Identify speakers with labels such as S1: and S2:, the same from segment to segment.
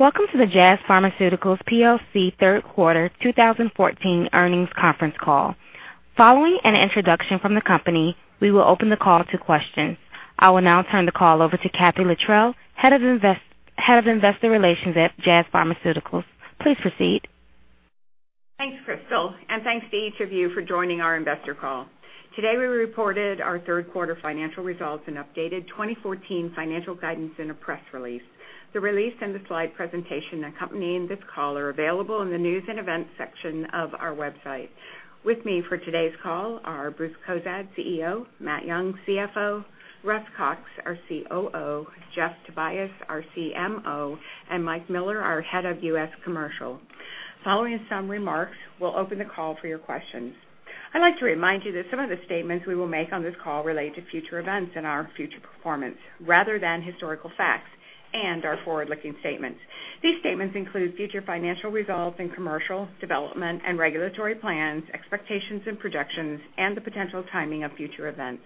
S1: Welcome to the Jazz Pharmaceuticals PLC Q3 2014 Earnings Conference Call. Following an introduction from the company, we will open the call to questions. I will now turn the call over to Katherine Littrell, Head of Investor Relations at Jazz Pharmaceuticals. Please proceed.
S2: Thanks, Crystal, and thanks to each of you for joining our investor call. Today, we reported our Q3 financial results and updated 2014 financial guidance in a press release. The release and the slide presentation accompanying this call are available in the News & Events section of our website. With me for today's call are Bruce Cozadd, CEO, Matt Young, CFO, Russ Cox, our COO, Jeff Tobias, our CMO, and Mike Miller, our head of U.S. Commercial. Following some remarks, we'll open the call for your questions. I'd like to remind you that some of the statements we will make on this call relate to future events and our future performance rather than historical facts and are forward-looking statements. These statements include future financial results and commercial development and regulatory plans, expectations and projections, and the potential timing of future events.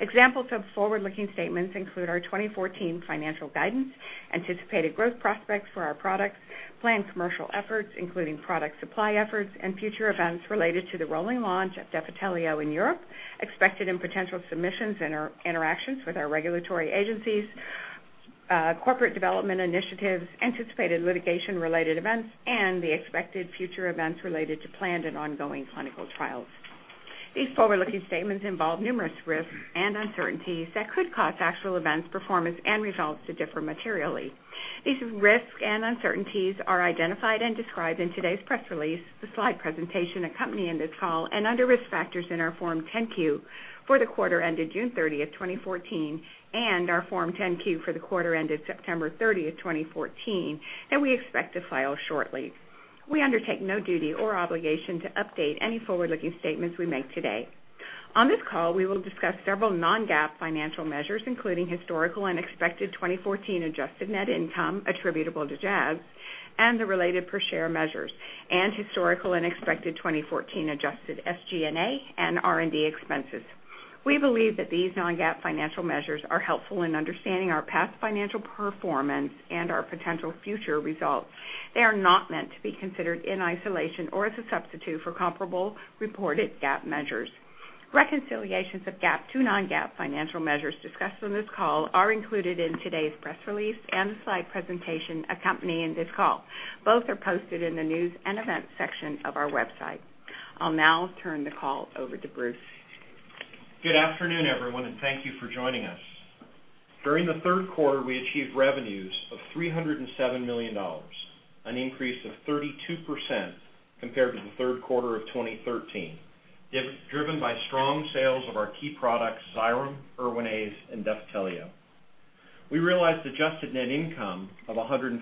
S2: Examples of forward-looking statements include our 2014 financial guidance, anticipated growth prospects for our products, planned commercial efforts, including product supply efforts and future events related to the rolling launch of Defitelio in Europe, expected and potential submissions interactions with our regulatory agencies, corporate development initiatives, anticipated litigation-related events, and the expected future events related to planned and ongoing clinical trials. These forward-looking statements involve numerous risks and uncertainties that could cause actual events, performance and results to differ materially. These risks and uncertainties are identified and described in today's press release, the slide presentation accompanying this call, and under Risk Factors in our Form 10-Q for the quarter ended June 30th, 2014, and our Form 10-Q for the quarter ended September 30, 2014, that we expect to file shortly. We undertake no duty or obligation to update any forward-looking statements we make today. On this call, we will discuss several non-GAAP financial measures, including historical and expected 2014 adjusted net income attributable to Jazz and the related per share measures and historical and expected 2014 adjusted SG&A and R&D expenses. We believe that these non-GAAP financial measures are helpful in understanding our past financial performance and our potential future results. They are not meant to be considered in isolation or as a substitute for comparable reported GAAP measures. Reconciliations of GAAP to non-GAAP financial measures discussed on this call are included in today's press release and the slide presentation accompanying this call. Both are posted in the News & Events section of our website. I'll now turn the call over to Bruce.
S3: Good afternoon, everyone, and thank you for joining us. During the Q3, we achieved revenues of $307 million, an increase of 32% compared to the Q3 of 2013, driven by strong sales of our key products, Xyrem, Erwinaze and Defitelio. We realized adjusted net income of $146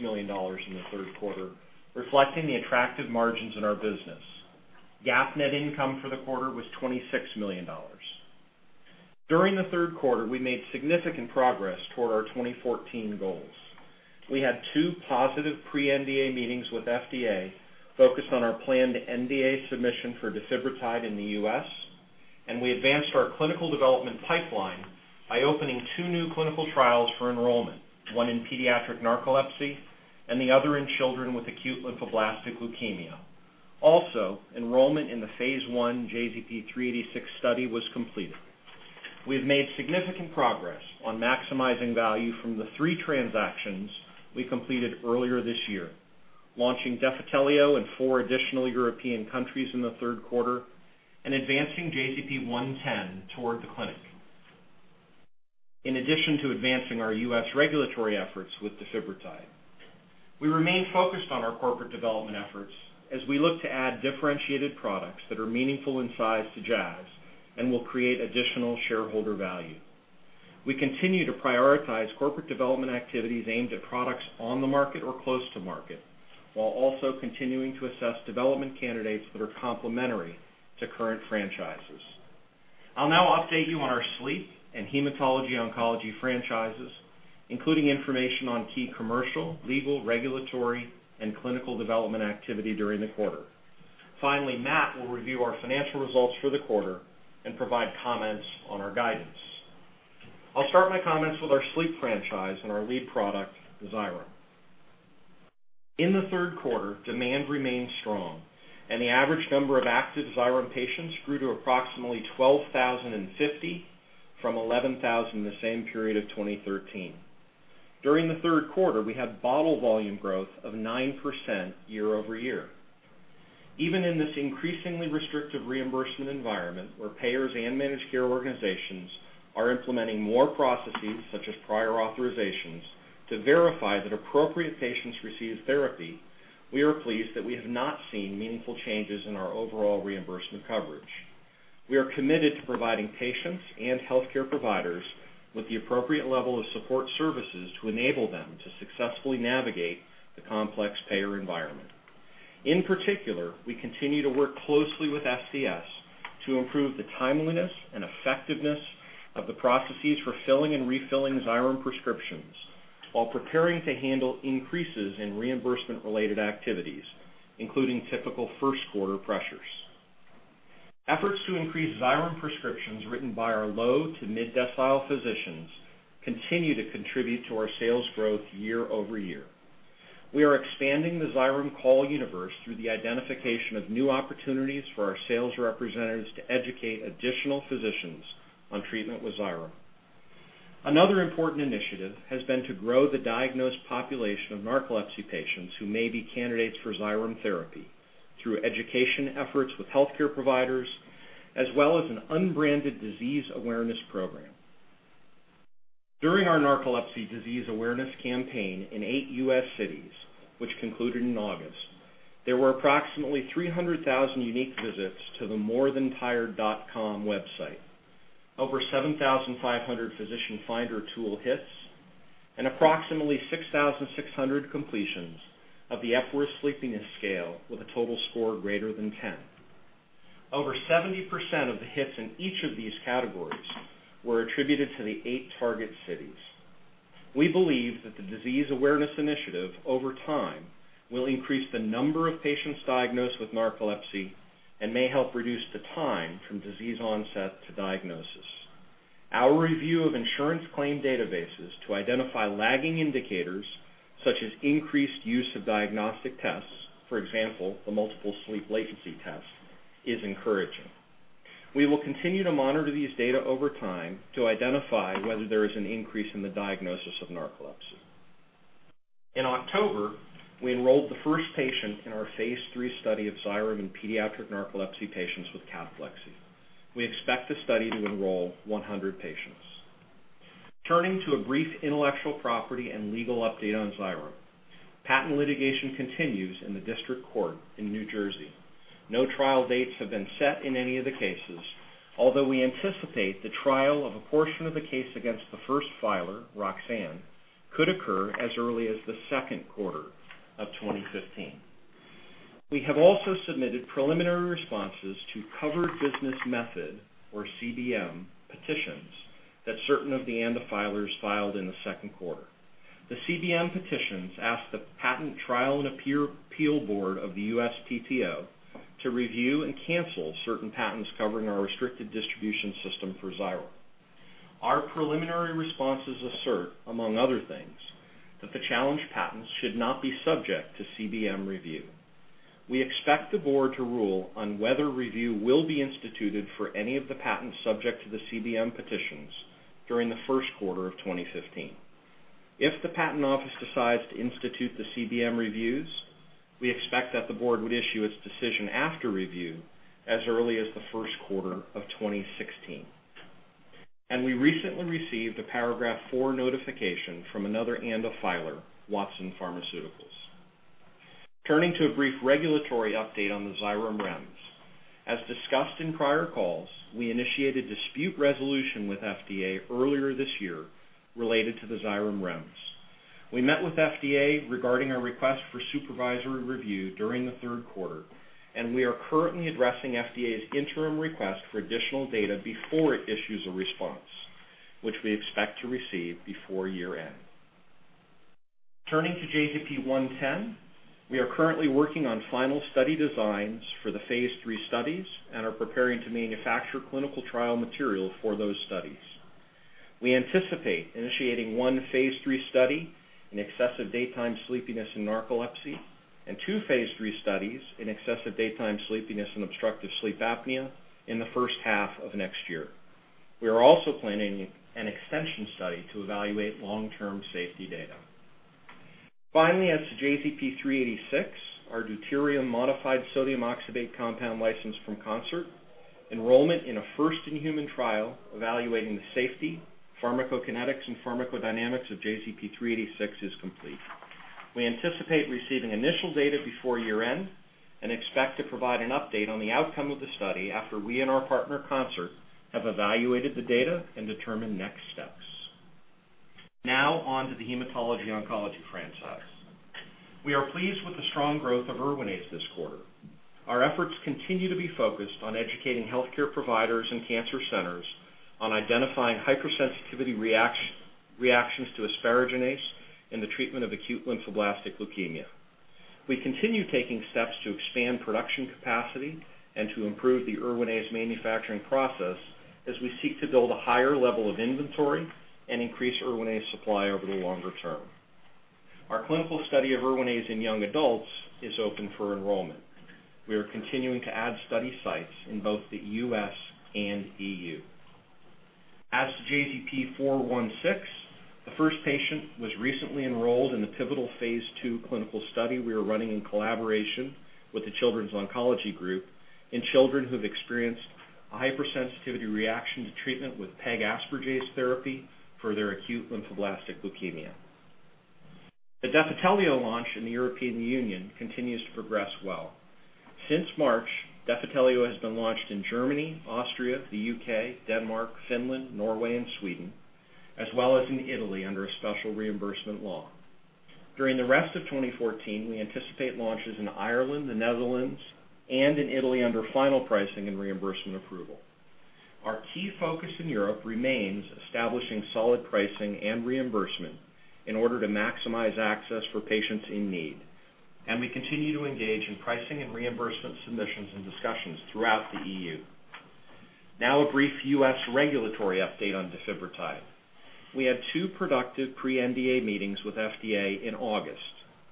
S3: million in the Q3, reflecting the attractive margins in our business. GAAP net income for the quarter was $26 million. During the Q3, we made significant progress toward our 2014 goals. We had two positive pre-NDA meetings with FDA focused on our planned NDA submission for defibrotide in the U.S., and we advanced our clinical development pipeline by opening two new clinical trials for enrollment, one in pediatric narcolepsy and the other in children with acute lymphoblastic leukemia. Also, enrollment in the phase I JZP-386 study was completed. We have made significant progress on maximizing value from the three transactions we completed earlier this year, launching Defitelio in four additional European countries in the Q3 and advancing JZP-110 toward the clinic. In addition to advancing our U.S. regulatory efforts with defibrotide, we remain focused on our corporate development efforts as we look to add differentiated products that are meaningful in size to Jazz and will create additional shareholder value. We continue to prioritize corporate development activities aimed at products on the market or close to market, while also continuing to assess development candidates that are complementary to current franchises. I'll now update you on our sleep and hematology/oncology franchises, including information on key commercial, legal, regulatory and clinical development activity during the quarter. Finally, Matt will review our financial results for the quarter and provide comments on our guidance. I'll start my comments with our sleep franchise and our lead product, Xyrem. In the Q3, demand remained strong and the average number of active Xyrem patients grew to approximately 12,050 from 11,000 the same period of 2013. During the Q3, we had bottle volume growth of 9% year-over-year. Even in this increasingly restrictive reimbursement environment, where payers and managed care organizations are implementing more processes such as prior authorizations to verify that appropriate patients receive therapy, we are pleased that we have not seen meaningful changes in our overall reimbursement coverage. We are committed to providing patients and healthcare providers with the appropriate level of support services to enable them to successfully navigate the complex payer environment. In particular, we continue to work closely with SDS to improve the timeliness and effectiveness of the processes for filling and refilling Xyrem prescriptions while preparing to handle increases in reimbursement-related activities, including typical Q1 pressures. Efforts to increase Xyrem prescriptions written by our low to mid-decile physicians continue to contribute to our sales growth year-over-year. We are expanding the Xyrem call universe through the identification of new opportunities for our sales representatives to educate additional physicians on treatment with Xyrem. Another important initiative has been to grow the diagnosed population of narcolepsy patients who may be candidates for Xyrem therapy through education efforts with healthcare providers, as well as an unbranded disease awareness program. During our narcolepsy disease awareness campaign in eight U.S. cities, which concluded in August, there were approximately 300,000 unique visits to the morethantired.com website. Over 7,500 physician finder tool hits and approximately 6,600 completions of the Epworth Sleepiness Scale with a total score greater than 10. Over 70% of the hits in each of these categories were attributed to the eight target cities. We believe that the disease awareness initiative over time will increase the number of patients diagnosed with narcolepsy and may help reduce the time from disease onset to diagnosis. Our review of insurance claim databases to identify lagging indicators such as increased use of diagnostic tests, for example, the Multiple Sleep Latency Tests, is encouraging. We will continue to monitor these data over time to identify whether there is an increase in the diagnosis of narcolepsy. In October, we enrolled the first patient in our phase III study of Xyrem in pediatric narcolepsy patients with cataplexy. We expect the study to enroll 100 patients. Turning to a brief intellectual property and legal update on Xyrem. Patent litigation continues in the district court in New Jersey. No trial dates have been set in any of the cases, although we anticipate the trial of a portion of the case against the first filer, Roxane, could occur as early as the Q2 of 2015. We have also submitted preliminary responses to covered business method, or CBM, petitions that certain of the ANDA filers filed in the Q2. The CBM petitions ask the Patent Trial and Appeal Board of the USP`TO to review and cancel certain patents covering our restricted distribution system for Xyrem. Our preliminary responses assert, among other things, that the challenged patents should not be subject to CBM review. We expect the board to rule on whether review will be instituted for any of the patents subject to the CBM petitions during the Q1 of 2015. If the Patent Office decides to institute the CBM reviews, we expect that the board would issue its decision after review as early as the Q1 of 2016. We recently received a Paragraph IV notification from another ANDA filer, Watson Pharmaceuticals. Turning to a brief regulatory update on the Xyrem REMS. As discussed in prior calls, we initiated dispute resolution with FDA earlier this year related to the Xyrem REMS. We met with FDA regarding our request for supervisory review during the Q3, and we are currently addressing FDA's interim request for additional data before it issues a response, which we expect to receive before year-end. Turning to JZP-110, we are currently working on final study designs for the phase III studies and are preparing to manufacture clinical trial material for those studies. We anticipate initiating one phase III study in excessive daytime sleepiness in narcolepsy and two phase III studies in excessive daytime sleepiness and obstructive sleep apnea in the first half of next year. We are also planning an extension study to evaluate long-term safety data. Finally, as to JZP-386, our deuterium-modified sodium oxybate compound licensed from Concert Pharmaceuticals, enrollment in a first-in-human trial evaluating the safety, pharmacokinetics, and pharmacodynamics of JZP-386 is complete. We anticipate receiving initial data before year-end and expect to provide an update on the outcome of the study after we and our partner, Concert Pharmaceuticals, have evaluated the data and determined next steps. Now on to the hematology/oncology franchise. We are pleased with the strong growth of Erwinaze this quarter. Our efforts continue to be focused on educating healthcare providers and cancer centers on identifying hypersensitivity reactions to asparaginase in the treatment of acute lymphoblastic leukemia. We continue taking steps to expand production capacity and to improve the Erwinaze manufacturing process as we seek to build a higher level of inventory and increase Erwinaze supply over the longer term. Our clinical study of Erwinaze in young adults is open for enrollment. We are continuing to add study sites in both the U.S. and E.U. As to JZP-416, the first patient was recently enrolled in the pivotal phase II clinical study we are running in collaboration with the Children's Oncology Group in children who have experienced a hypersensitivity reaction to treatment with pegaspargase therapy for their acute lymphoblastic leukemia. The Defitelio launch in the European Union continues to progress well. Since March, Defitelio has been launched in Germany, Austria, the U.K., Denmark, Finland, Norway, and Sweden, as well as in Italy under a special reimbursement law. During the rest of 2014, we anticipate launches in Ireland, the Netherlands, and in Italy under final pricing and reimbursement approval. Our key focus in Europe remains establishing solid pricing and reimbursement in order to maximize access for patients in need. We continue to engage in pricing and reimbursement submissions and discussions throughout the E.U. Now a brief U.S. regulatory update on defibrotide. We had two productive pre-NDA meetings with FDA in August,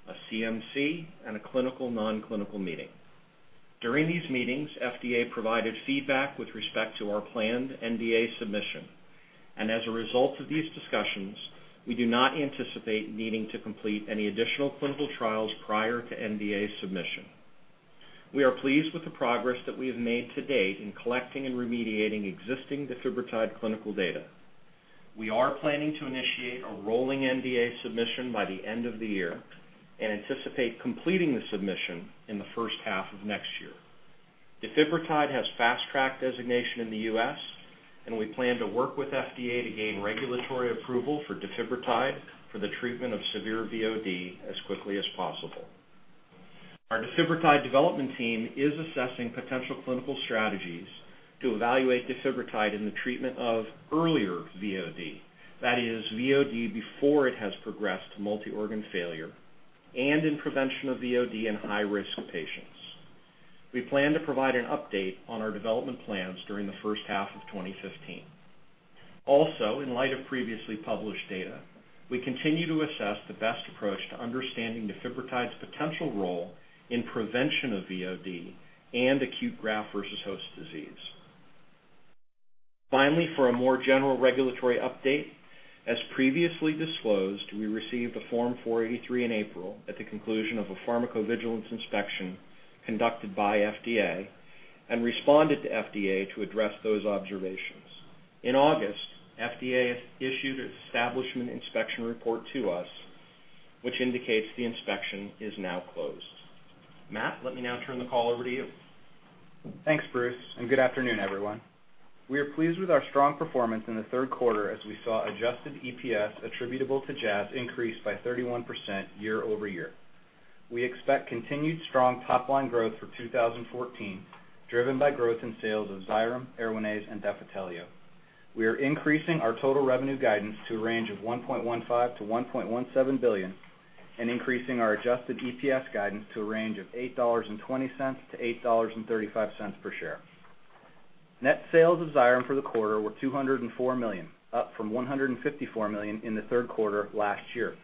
S3: a CMC and a clinical non-clinical meeting. During these meetings, FDA provided feedback with respect to our planned NDA submission. As a result of these discussions, we do not anticipate needing to complete any additional clinical trials prior to NDA submission. We are pleased with the progress that we have made to date in collecting and remediating existing defibrotide clinical data. We are planning to initiate a rolling NDA submission by the end of the year and anticipate completing the submission in the first half of next year. Defibrotide has Fast Track designation in the U.S., and we plan to work with FDA to gain regulatory approval for defibrotide for the treatment of severe VOD as quickly as possible. Our defibrotide development team is assessing potential clinical strategies to evaluate defibrotide in the treatment of earlier VOD, that is VOD before it has progressed to multi-organ failure and in prevention of VOD in high-risk patients. We plan to provide an update on our development plans during the first half of 2015. Also, in light of previously published data, we continue to assess the best approach to understanding defibrotide's potential role in prevention of VOD and acute graft-versus-host disease. Finally, for a more general regulatory update, as previously disclosed, we received a Form 483 in April at the conclusion of a pharmacovigilance inspection conducted by FDA and responded to FDA to address those observations. In August, FDA issued its Establishment Inspection Report to us, which indicates the inspection is now closed. Matt, let me now turn the call over to you.
S4: Thanks, Bruce, and good afternoon, everyone. We are pleased with our strong performance in the Q3 as we saw adjusted EPS attributable to Jazz increase by 31% year over year. We expect continued strong top-line growth for 2014, driven by growth in sales of Xyrem, Erwinaze and Defitelio. We are increasing our total revenue guidance to a range of $1.15 billion-$1.17 billion and increasing our adjusted EPS guidance to a range of $8.20-$8.35 per share. Net sales of Xyrem for the quarter were $204 million, up from $154 million in the Q3 of last year.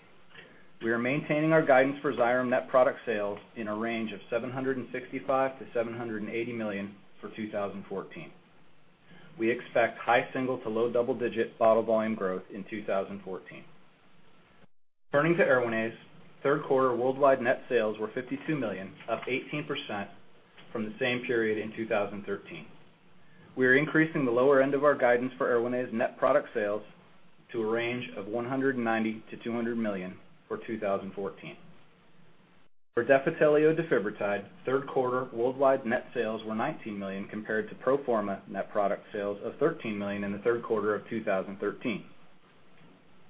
S4: We are maintaining our guidance for Xyrem net product sales in a range of $765 million-$780 million for 2014. We expect high single- to low double-digit bottle volume growth in 2014. Turning to Erwinaze, Q3 worldwide net sales were $52 million, up 18% from the same period in 2013. We are increasing the lower end of our guidance for Erwinaze net product sales to a range of $190 million-$200 million for 2014. For Defitelio defibrotide, Q3 worldwide net sales were $19 million compared to pro forma net product sales of $13 million in the Q3 of 2013.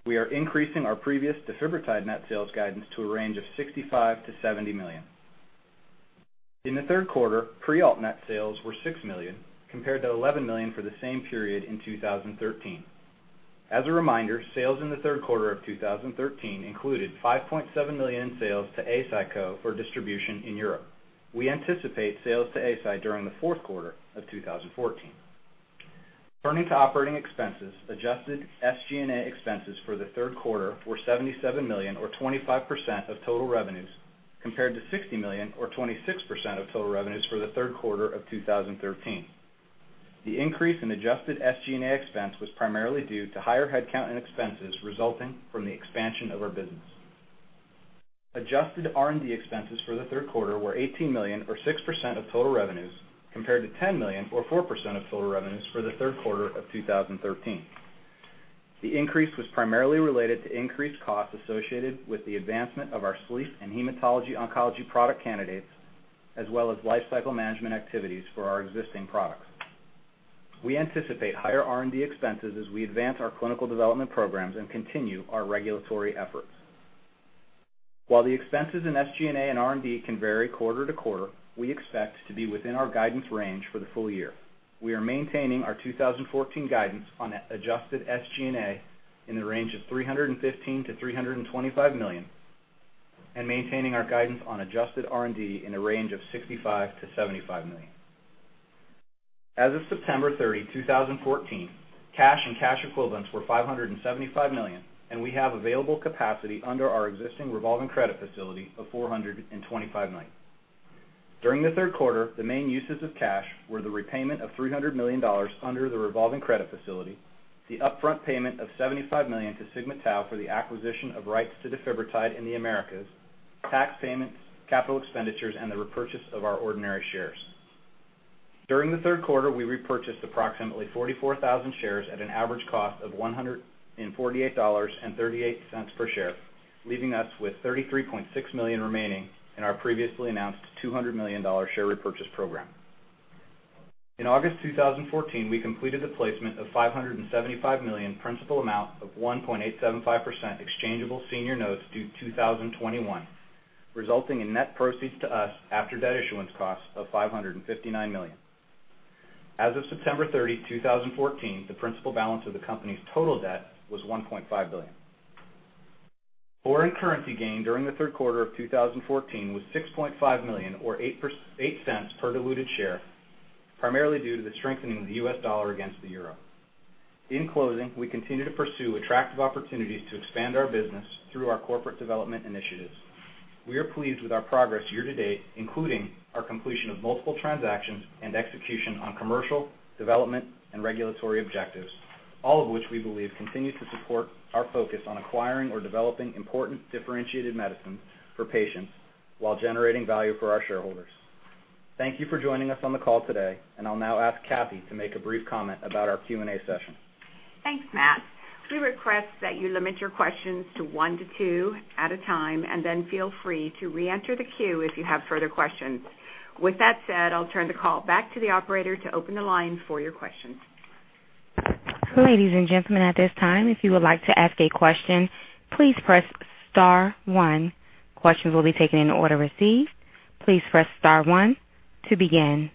S4: We are increasing our previous defibrotide net sales guidance to a range of $65 million-$70 million. In the Q3, Prialt net sales were $6 million compared to $11 million for the same period in 2013. As a reminder, sales in the Q3 of 2013 included $5.7 million in sales to Eisai Co. for distribution in Europe. We anticipate sales to Eisai during the Q4 of 2014. Turning to operating expenses, adjusted SG&A expenses for the Q3 were $77 million or 25% of total revenues, compared to $60 million or 26% of total revenues for the Q3 of 2013. The increase in adjusted SG&A expense was primarily due to higher headcount and expenses resulting from the expansion of our business. Adjusted R&D expenses for the Q3 were $18 million or 6% of total revenues, compared to $10 million or 4% of total revenues for the Q3 of 2013. The increase was primarily related to increased costs associated with the advancement of our sleep and hematology/oncology product candidates, as well as lifecycle management activities for our existing products. We anticipate higher R&D expenses as we advance our clinical development programs and continue our regulatory efforts. While the expenses in SG&A and R&D can vary quarter to quarter, we expect to be within our guidance range for the full year. We are maintaining our 2014 guidance on adjusted SG&A in the range of $315 million-$325 million and maintaining our guidance on adjusted R&D in a range of $65 million-$75 million. As of September 30, 2014, cash and cash equivalents were $575 million, and we have available capacity under our existing revolving credit facility of $425 million. During the Q3, the main uses of cash were the repayment of $300 million under the revolving credit facility, the upfront payment of $75 million to Sigma-Tau for the acquisition of rights to defibrotide in the Americas, tax payments, capital expenditures, and the repurchase of our ordinary shares. During the Q3, we repurchased approximately 44,000 shares at an average cost of $148.38 per share, leaving us with $33.6 million remaining in our previously announced $200 million share repurchase program. In August 2014, we completed the placement of $575 million principal amount of 1.875% exchangeable senior notes due 2021. Resulting in net proceeds to us after debt issuance costs of $559 million. As of September 30, 2014, the principal balance of the company's total debt was $1.5 billion. Foreign currency gain during the Q3 of 2014 was $6.5 million, or $0.08 per diluted share, primarily due to the strengthening of the U.S. dollar against the euro. In closing, we continue to pursue attractive opportunities to expand our business through our corporate development initiatives. We are pleased with our progress year to date, including our completion of multiple transactions and execution on commercial, development, and regulatory objectives, all of which we believe continue to support our focus on acquiring or developing important differentiated medicines for patients while generating value for our shareholders. Thank you for joining us on the call today, and I'll now ask Kathy to make a brief comment about our Q&A session.
S2: Thanks, Matt. We request that you limit your questions to one to two at a time, and then feel free to re-enter the queue if you have further questions. With that said, I'll turn the call back to the operator to open the line for your questions.
S1: Ladies and gentlemen, at this time, if you would like to ask a question, please press star one. Questions will be taken in the order received. Please press star one to begin.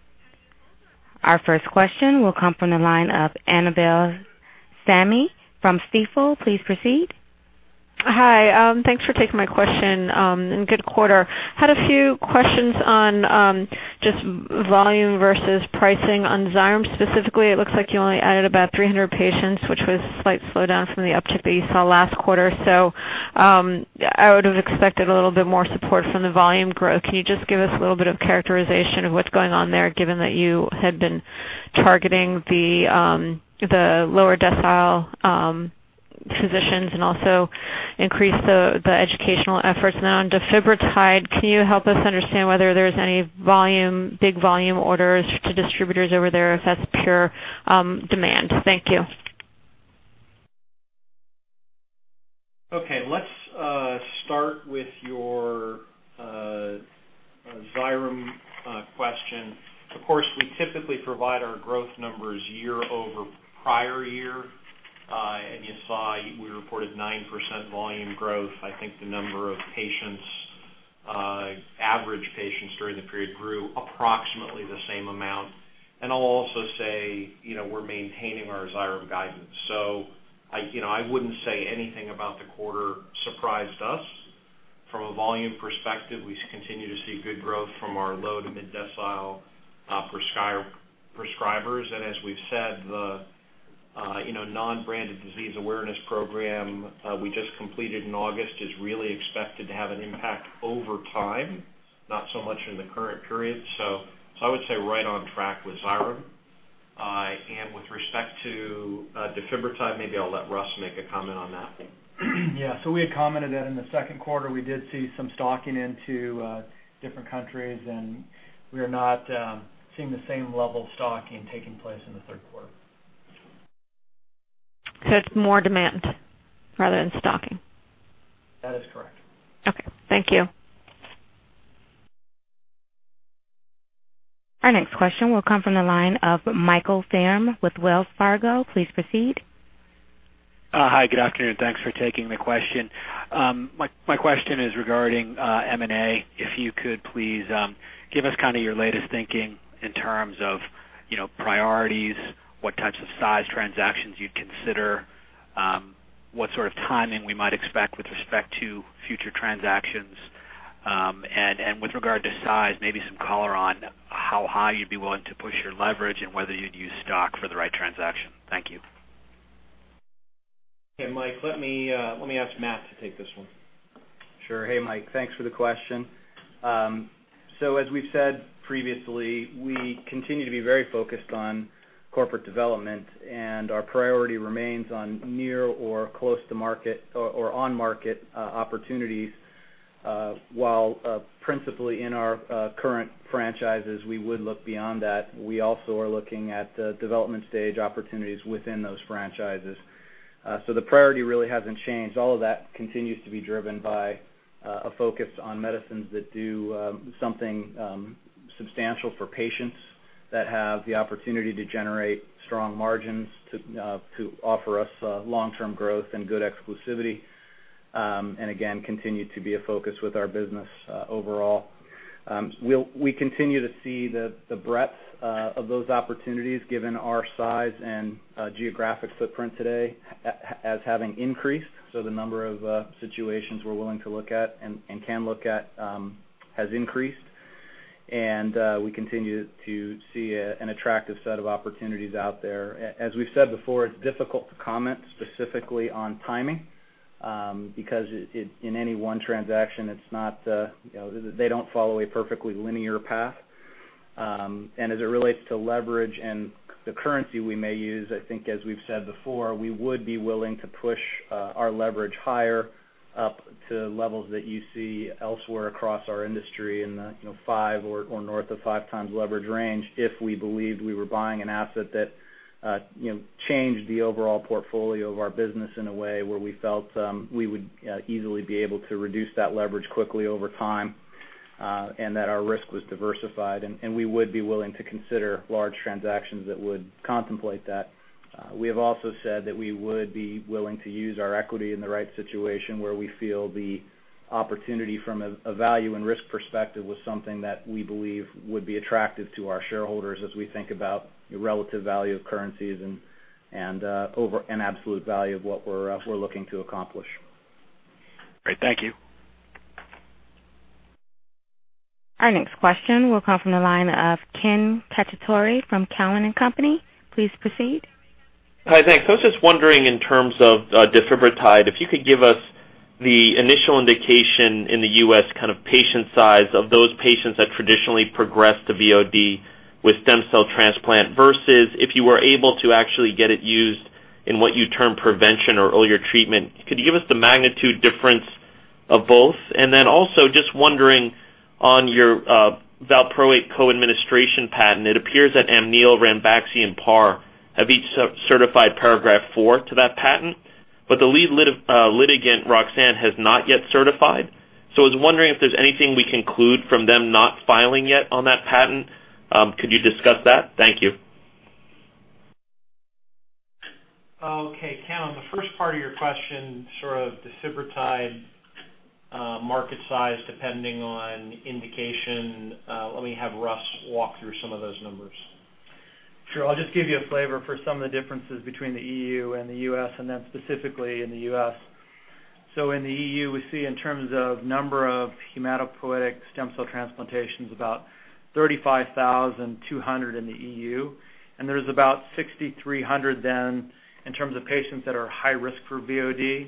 S1: Our first question will come from the line of Annabel Samimy from Stifel. Please proceed.
S5: Hi, thanks for taking my question, and good quarter. Had a few questions on just volume versus pricing on Xyrem specifically. It looks like you only added about 300 patients, which was slight slowdown from the uptick that you saw last quarter. I would have expected a little bit more support from the volume growth. Can you just give us a little bit of characterization of what's going on there, given that you had been targeting the lower decile physicians and also increase the educational efforts? Now on Defitelio, can you help us understand whether there's any volume, big volume orders to distributors over there if that's pure demand? Thank you.
S3: Okay, let's start with your Xyrem question. Of course, we typically provide our growth numbers year over prior year. You saw we reported 9% volume growth. I think the number of patients, average patients during the period grew approximately the same amount. I'll also say, you know, we're maintaining our Xyrem guidance. So I, you know, I wouldn't say anything about the quarter surprised us. From a volume perspective, we continue to see good growth from our low to mid decile prescribers. As we've said, the, you know, non-branded disease awareness program we just completed in August is really expected to have an impact over time, not so much in the current period. So I would say right on track with Xyrem. With respect to defibrotide, maybe I'll let Russ make a comment on that.
S6: Yeah. We had commented that in the Q2, we did see some stocking into different countries, and we are not seeing the same level of stocking taking place in the Q3.
S5: It's more demand rather than stocking?
S6: That is correct.
S5: Okay, thank you.
S1: Our next question will come from the line of Michael Faerm with Wells Fargo. Please proceed.
S7: Hi, good afternoon. Thanks for taking the question. My question is regarding M&A. If you could please give us kinda your latest thinking in terms of, you know, priorities, what types of size transactions you'd consider, what sort of timing we might expect with respect to future transactions, and with regard to size, maybe some color on how high you'd be willing to push your leverage and whether you'd use stock for the right transacton. Thank you.
S3: Hey, Mike, let me ask Matt to take this one.
S4: Sure. Hey, Mike, thanks for the question. As we've said previously, we continue to be very focused on corporate development, and our priority remains on near or close to market or on market opportunities. While principally in our current franchises, we would look beyond that. We also are looking at development stage opportunities within those franchises. The priority really hasn't changed. All of that continues to be driven by a focus on medicines that do something substantial for patients that have the opportunity to generate strong margins to offer us long-term growth and good exclusivity, and again, continue to be a focus with our business overall. We continue to see the breadth of those opportunities given our size and geographic footprint today as having increased. The number of situations we're willing to look at and can look at has increased. We continue to see an attractive set of opportunities out there. As we've said before, it's difficult to comment specifically on timing because in any one transaction, it's not, you know, they don't follow a perfectly linear path. As it relates to leverage and the currency we may use, I think as we've said before, we would be willing to push our leverage higher up to levels that you see elsewhere across our industry in the you know five or north of five times leverage range if we believed we were buying an asset that you know changed the overall portfolio of our business in a way where we felt we would easily be able to reduce that leverage quickly over time and that our risk was diversified, and we would be willing to consider large transactions that would contemplate that. We have also said that we would be willing to use our equity in the right situation where we feel the opportunity from a value and risk perspective was something that we believe would be attractive to our shareholders as we think about the relative value of currencies and over an absolute value of what we're looking to accomplish.
S7: Great. Thank you.
S1: Our next question will come from the line of Ken Cacciatore from Cowen and Company. Please proceed.
S8: Hi. Thanks. I was just wondering in terms of defibrotide, if you could give us the initial indication in the U.S. kind of patient size of those patients that traditionally progress to VOD with stem cell transplant, versus if you were able to actually get it used in what you term prevention or earlier treatment. Could you give us the magnitude difference of both? I was just wondering on your valproate co-administration patent, it appears that Amneal, Ranbaxy, and Par have each certified paragraph four to that patent, but the lead litigant, Roxane, has not yet certified. I was wondering if there's anything we conclude from them not filing yet on that patent. Could you discuss that? Thank you.
S3: Okay. Ken, on the first part of your question, sort of defibrotide, market size depending on indication, let me have Russ walk through some of those numbers.
S6: Sure. I'll just give you a flavor for some of the differences between the EU and the US and then specifically in the U.S. In the E.U., we see in terms of number of hematopoietic stem cell transplantations, about 35,200 in the E.U., and there's about 6,300 then in terms of patients that are high risk for VOD.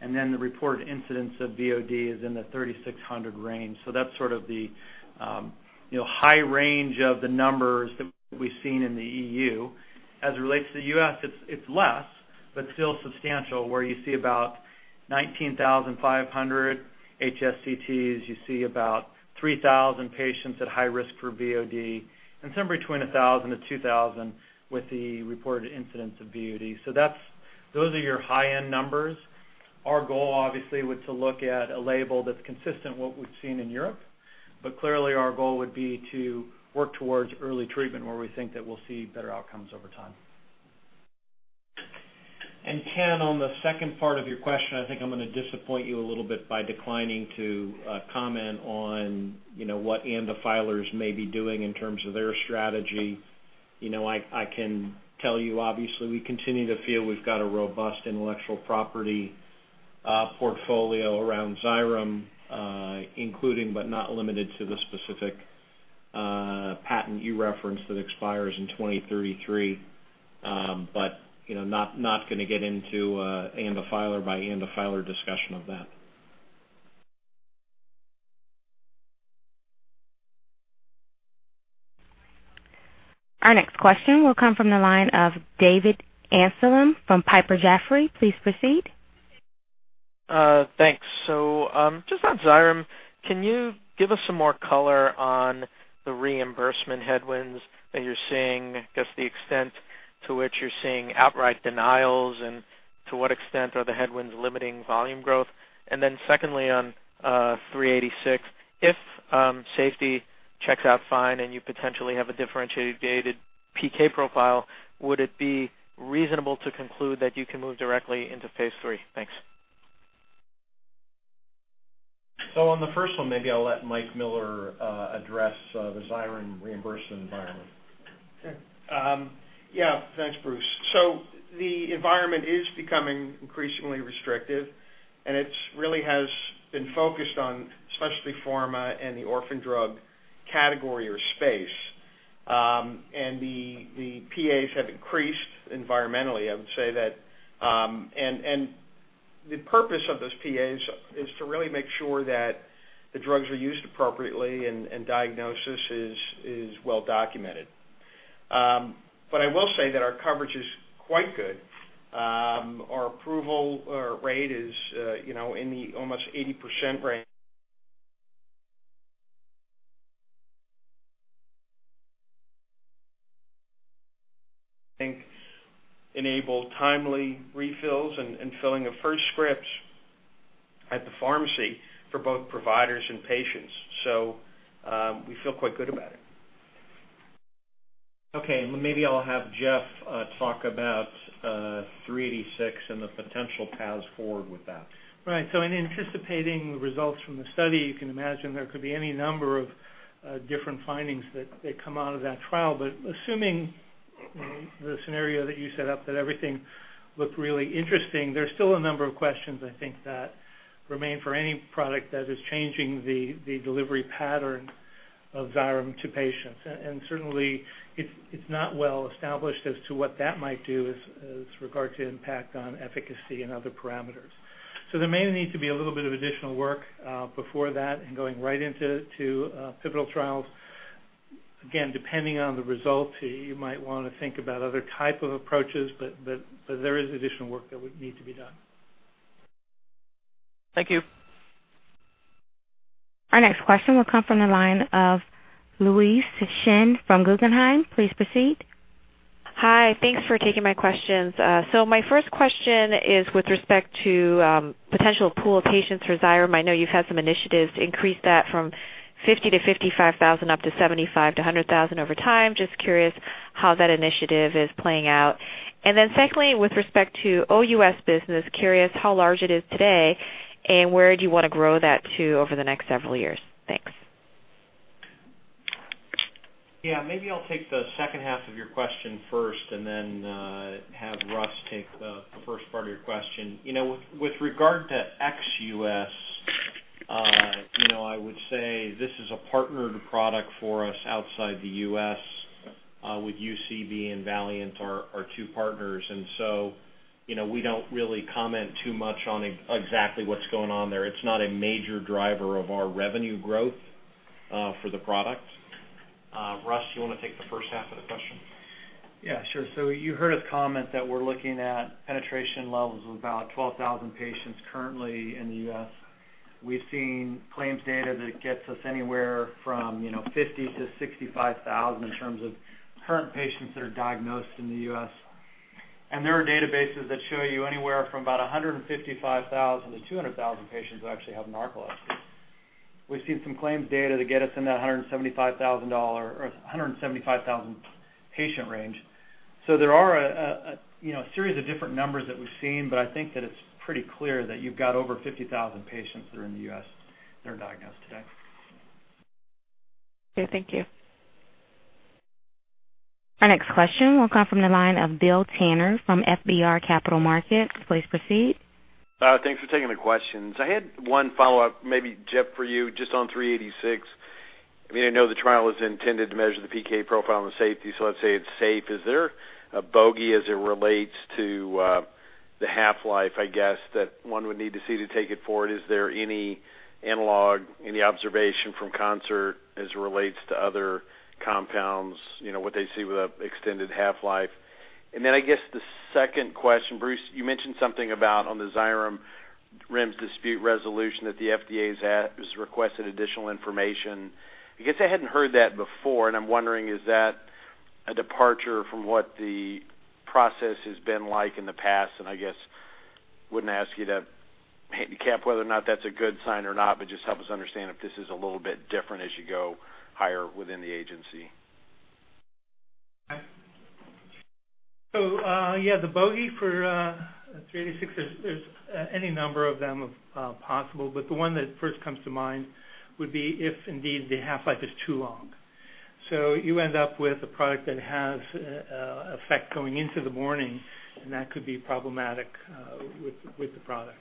S6: And then the reported incidence of VOD is in the 3,600 range. That's sort of the, you know, high range of the numbers that we've seen in the E.U. As it relates to the U.S., it's less but still substantial, where you see about 19,500 HSCTs, you see about 3,000 patients at high risk for VOD, and somewhere between 1,000-2,000 with the reported incidence of VOD. Those are your high-end numbers. Our goal, obviously, was to look at a label that's consistent with what we've seen in Europe. Clearly, our goal would be to work towards early treatment where we think that we'll see better outcomes over time.
S3: Ken, on the second part of your question, I think I'm gonna disappoint you a little bit by declining to comment on, you know, what ANDA filers may be doing in terms of their strategy. You know, I can tell you, obviously, we continue to feel we've got a robust intellectual property portfolio around Xyrem, including but not limited to the specific patent you referenced that expires in 2033. But, you know, not gonna get into ANDA filer by ANDA filer discussion of that.
S1: Our next question will come from the line of David Amsellem from Piper Jaffray. Please proceed.
S9: Thanks. Just on Xyrem, can you give us some more color on the reimbursement headwinds that you're seeing, I guess the extent to which you're seeing outright denials, and to what extent are the headwinds limiting volume growth? Secondly, on JZP-386, if safety checks out fine and you potentially have a differentiated PK profile, would it be reasonable to conclude that you can move directly into phase III? Thanks.
S3: On the first one, maybe I'll let Mike Miller address the Xyrem reimbursement environment.
S10: Sure. Yeah. Thanks, Bruce. The environment is becoming increasingly restrictive, and it's really been focused on specialty pharma and the orphan drug category or space. The PAs have increased environmentally, I would say that. The purpose of those PAs is to really make sure that the drugs are used appropriately and diagnosis is well documented. I will say that our coverage is quite good. Our approval rate is, you know, in the almost 80% range. It enables timely refills and filling of first scripts at the pharmacy for both providers and patients. We feel quite good about it.
S3: Maybe I'll have Jeff talk about JZP-386 and the potential paths forward with that.
S11: Right. In anticipating results from the study, you can imagine there could be any number of different findings that come out of that trial. Assuming the scenario that you set up that everything looked really interesting, there's still a number of questions I think that remain for any product that is changing the delivery pattern of Xyrem to patients. Certainly it's not well established as to what that might do as regards to impact on efficacy and other parameters. There may need to be a little bit of additional work before that and going right into pivotal trials. Again, depending on the results, you might wanna think about other type of approaches, but there is additional work that would need to be done.
S9: Thank you.
S1: Our next question will come from the line of Louise Chen from Guggenheim. Please proceed.
S12: Hi. Thanks for taking my questions. My first question is with respect to potential pool of patients for Xyrem. I know you've had some initiatives to increase that from 50,000-55,000 up to 75,000-100,000 over time. Just curious how that initiative is playing out. Secondly, with respect to OUS business, curious how large it is today, and where do you wanna grow that to over the next several years? Thanks.
S3: Yeah, maybe I'll take the second half of your question first and then have Russ take the first part of your question. You know, with regard to ex-U.S., you know, I would say this is a pa]rtnered product for us outside the U.S. with UCB and Valeant are two partners. You know, we don't really comment too much on exactly what's going on there. It's not a major driver of our revenue growth for the product. Russ, you wanna take the first half of the question?
S6: Yeah, sure. You heard us comment that we're looking at penetration levels of about 12,000 patients currently in the U.S. We've seen claims data that gets us anywhere from, you know, 50,000-65,000 in terms of current patients that are diagnosed in the U.S. There are databases that show you anywhere from about 155,000-200,000 patients who actually have narcolepsy. We've seen some claims data to get us in that 175,000, or a 175,000 patient range. There are, you know, a series of different numbers that we've seen, but I think that it's pretty clear that you've got over 50,000 patients that are in the U.S. that are diagnosed today.
S12: Okay, thank you.
S1: Our next question will come from the line of Bill Tanner from FBR Capital Markets. Please proceed.
S13: Thanks for taking the questions. I had one follow-up, maybe, Jeff, for you just on JZP-386. I mean, I know the trial is intended to measure the PK profile and the safety, so let's say it's safe. Is there a bogey as it relates to the half-life, I guess, that one would need to see to take it forward? Is there any analog, any observation from Concert as it relates to other compounds, you know, what they see with an extended half-life? And then I guess the second question, Bruce, you mentioned something about on the Xyrem REMS dispute resolution that the FDA has requested additional information. I guess I hadn't heard that before, and I'm wondering is that a departure from what the process has been like in the past? I guess I wouldn't ask you to handicap whether or not that's a good sign or not, but just help us understand if this is a little bit different as you go higher within the agency.
S11: The bogey for JZP-386 is any number of them possible, but the one that first comes to mind would be if indeed the half-life is too long. You end up with a product that has effect going into the morning, and that could be problematic with the product.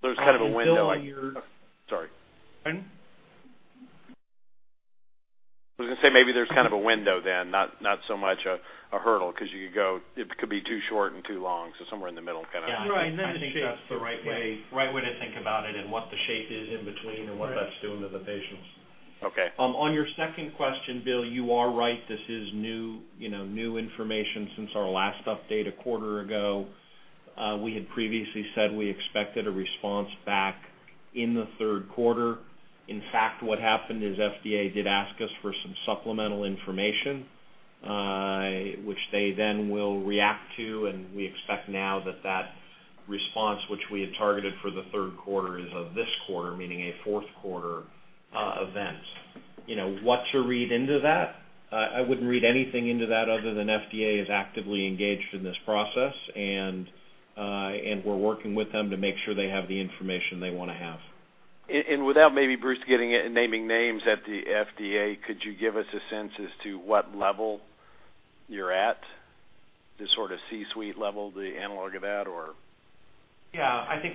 S13: There's kind of a window on your.
S11: Bill, when you're
S13: Sorry.
S11: Pardon?
S13: I was gonna say, maybe there's kind of a window then, not so much a hurdle 'cause you could go. It could be too short and too long, so somewhere in the middle kind of.
S6: Yeah.
S3: I think that's the right way to think about it and what the shape is in between and what that's doing to the patients.
S13: Okay.
S3: On your second question, Bill, you are right. This is new, you know, new information since our last update a quarter ago. We had previously said we expected a response back in the Q3. In fact, what happened is FDA did ask us for some supplemental information, which they then will react to, and we expect now that that response which we had targeted for the Q3 is of this quarter, meaning a Q4 event. You know, what to read into that? I wouldn't read anything into that other than FDA is actively engaged in this process, and and we're working with them to make sure they have the information they wanna have.
S13: Without maybe Bruce naming names at the FDA, could you give us a sense as to what level you're at? The sort of C-suite level, the analog of that or?
S3: Yeah. I think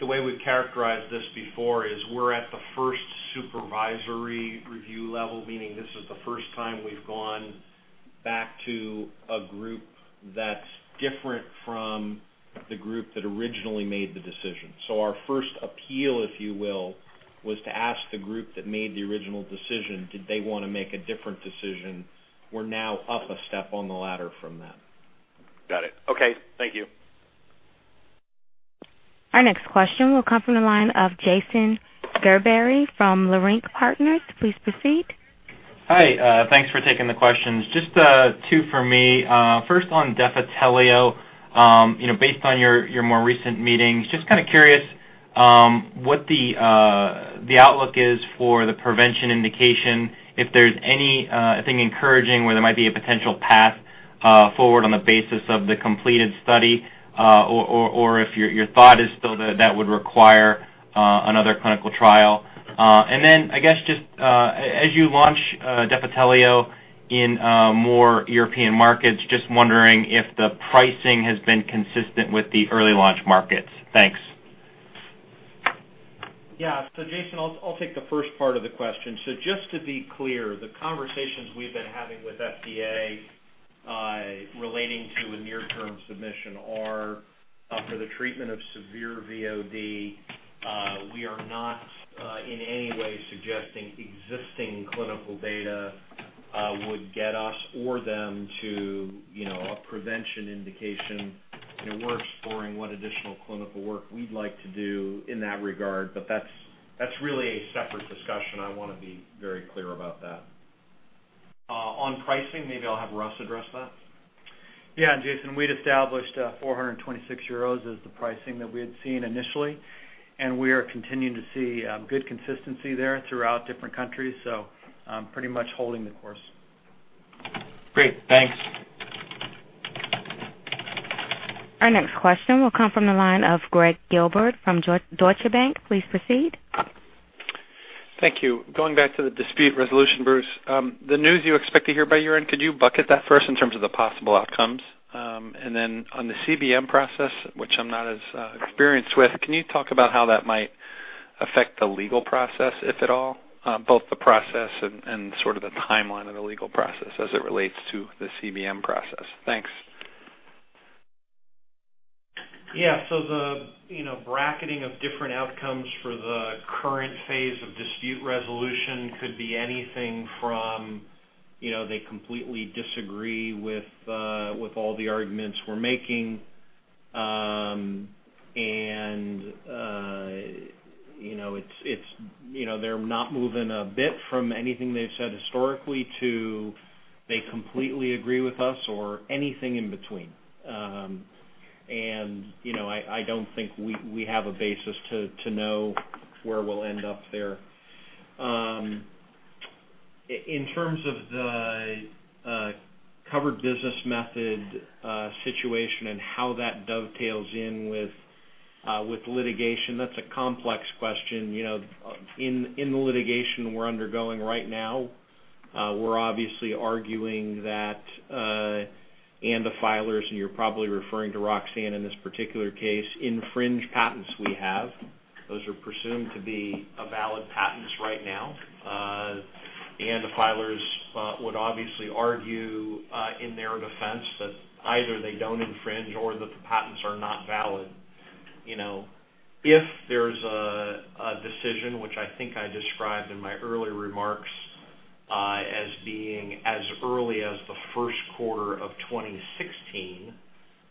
S3: the way we've characterized this before is we're at the first supervisory review level, meaning this is the first time we've gone back to a group that's different from the group that originally made the decision. Our first appeal, if you will, was to ask the group that made the original decision, did they wanna make a different decision? We're now up a step on the ladder from that.
S13: Got it. Okay. Thank you.
S1: Our next question will come from the line of Jason Gerberry from Leerink Partners. Please proceed.
S14: Hi. Thanks for taking the questions. Just two for me. First on Defitelio. You know, based on your more recent meetings, just kinda curious what the outlook is for the prevention indication, if there's anything encouraging where there might be a potential path forward on the basis of the completed study, or if your thought is still that would require another clinical trial. Then I guess just as you launch Defitelio in more European markets, just wondering if the pricing has been consistent with the early launch markets. Thanks.
S3: Jason, I'll take the first part of the question. Just to be clear, the conversations we've been having with FDA relating to a near-term submission are for the treatment of severe VOD. We are not in any way suggesting existing clinical data would get us or them to, you know, a prevention indication. You know, we're exploring what additional clinical work we'd like to do in that regard, but that's really a separate discussion. I wanna be very clear about that. On pricing, maybe I'll have Russ address that.
S6: Yeah, Jason, we'd established 426 euros as the pricing that we had seen initially, and we are continuing to see good consistency there throughout different countries. Pretty much holding the course.
S14: Great. Thanks.
S1: Our next question will come from the line of Gregg Gilbert from Deutsche Bank. Please proceed.
S15: Thank you. Going back to the dispute resolution, Bruce, the news you expect to hear by year-end, could you bucket that first in terms of the possible outcomes? Then on the CBM process, which I'm not as experienced with, can you talk about how that might affect the legal process, if at all, both the process and sort of the timeline of the legal process as it relates to the CBM process? Thanks.
S3: Yeah. The, you know, bracketing of different outcomes for the current phase of dispute resolution could be anything from, you know, they completely disagree with all the arguments we're making. You know, it's, you know, they're not moving a bit from anything they've said historically to they completely agree with us or anything in between. You know, I don't think we have a basis to know where we'll end up there. In terms of the covered business method situation and how that dovetails in with litigation, that's a complex question. You know, in the litigation we're undergoing right now, we're obviously arguing that ANDA filers, and you're probably referring to Roxane in this particular case, infringe patents we have. Those are presumed to be a valid patents right now. ANDA filers would obviously argue in their defense that either they don't infringe or that the patents are not valid. You know, if there's a decision, which I think I described in my earlier remarks, as being as early as the Q1 of 2016,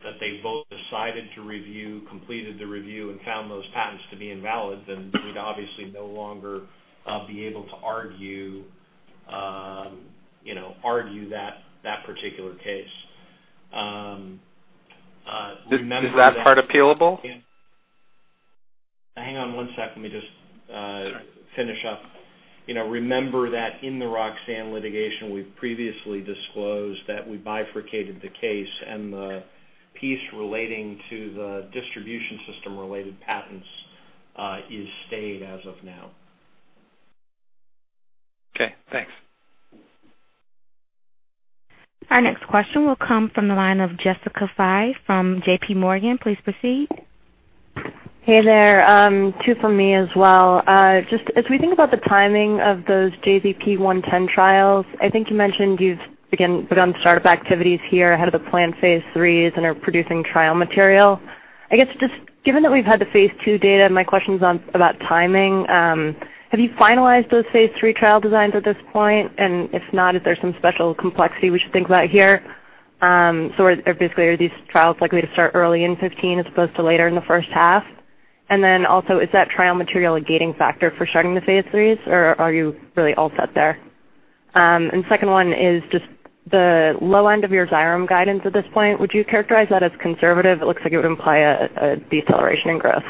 S3: that they both decided to review, completed the review, and found those patents to be invalid, then we'd obviously no longer be able to argue you know that particular case. Remember that.
S15: Is that part appealable?
S3: Hang on one sec. Let me just, finish up. You know, remember that in the Roxane litigation, we previously disclosed that we bifurcated the case, and the piece relating to the distribution system-related patents, is stayed as of now.
S15: Okay, thanks.
S1: Our next question will come from the line of Jessica Fye from JPMorgan. Please proceed.
S16: Hey there. Two from me as well. Just as we think about the timing of those JZP-110 trials, I think you mentioned you've begun startup activities here ahead of the planned phase IIIs and are producing trial material. I guess, just given that we've had the phase II data, my question's about timing. Basically, are these trials likely to start early in 2015 as opposed to later in the first half? And then also, is that trial material a gating factor for starting the phase IIIs, or are you really all set there? And second one is just the low end of your Xyrem guidance at this point. Would you characterize that as conservative? It looks like it would imply a deceleration in growth.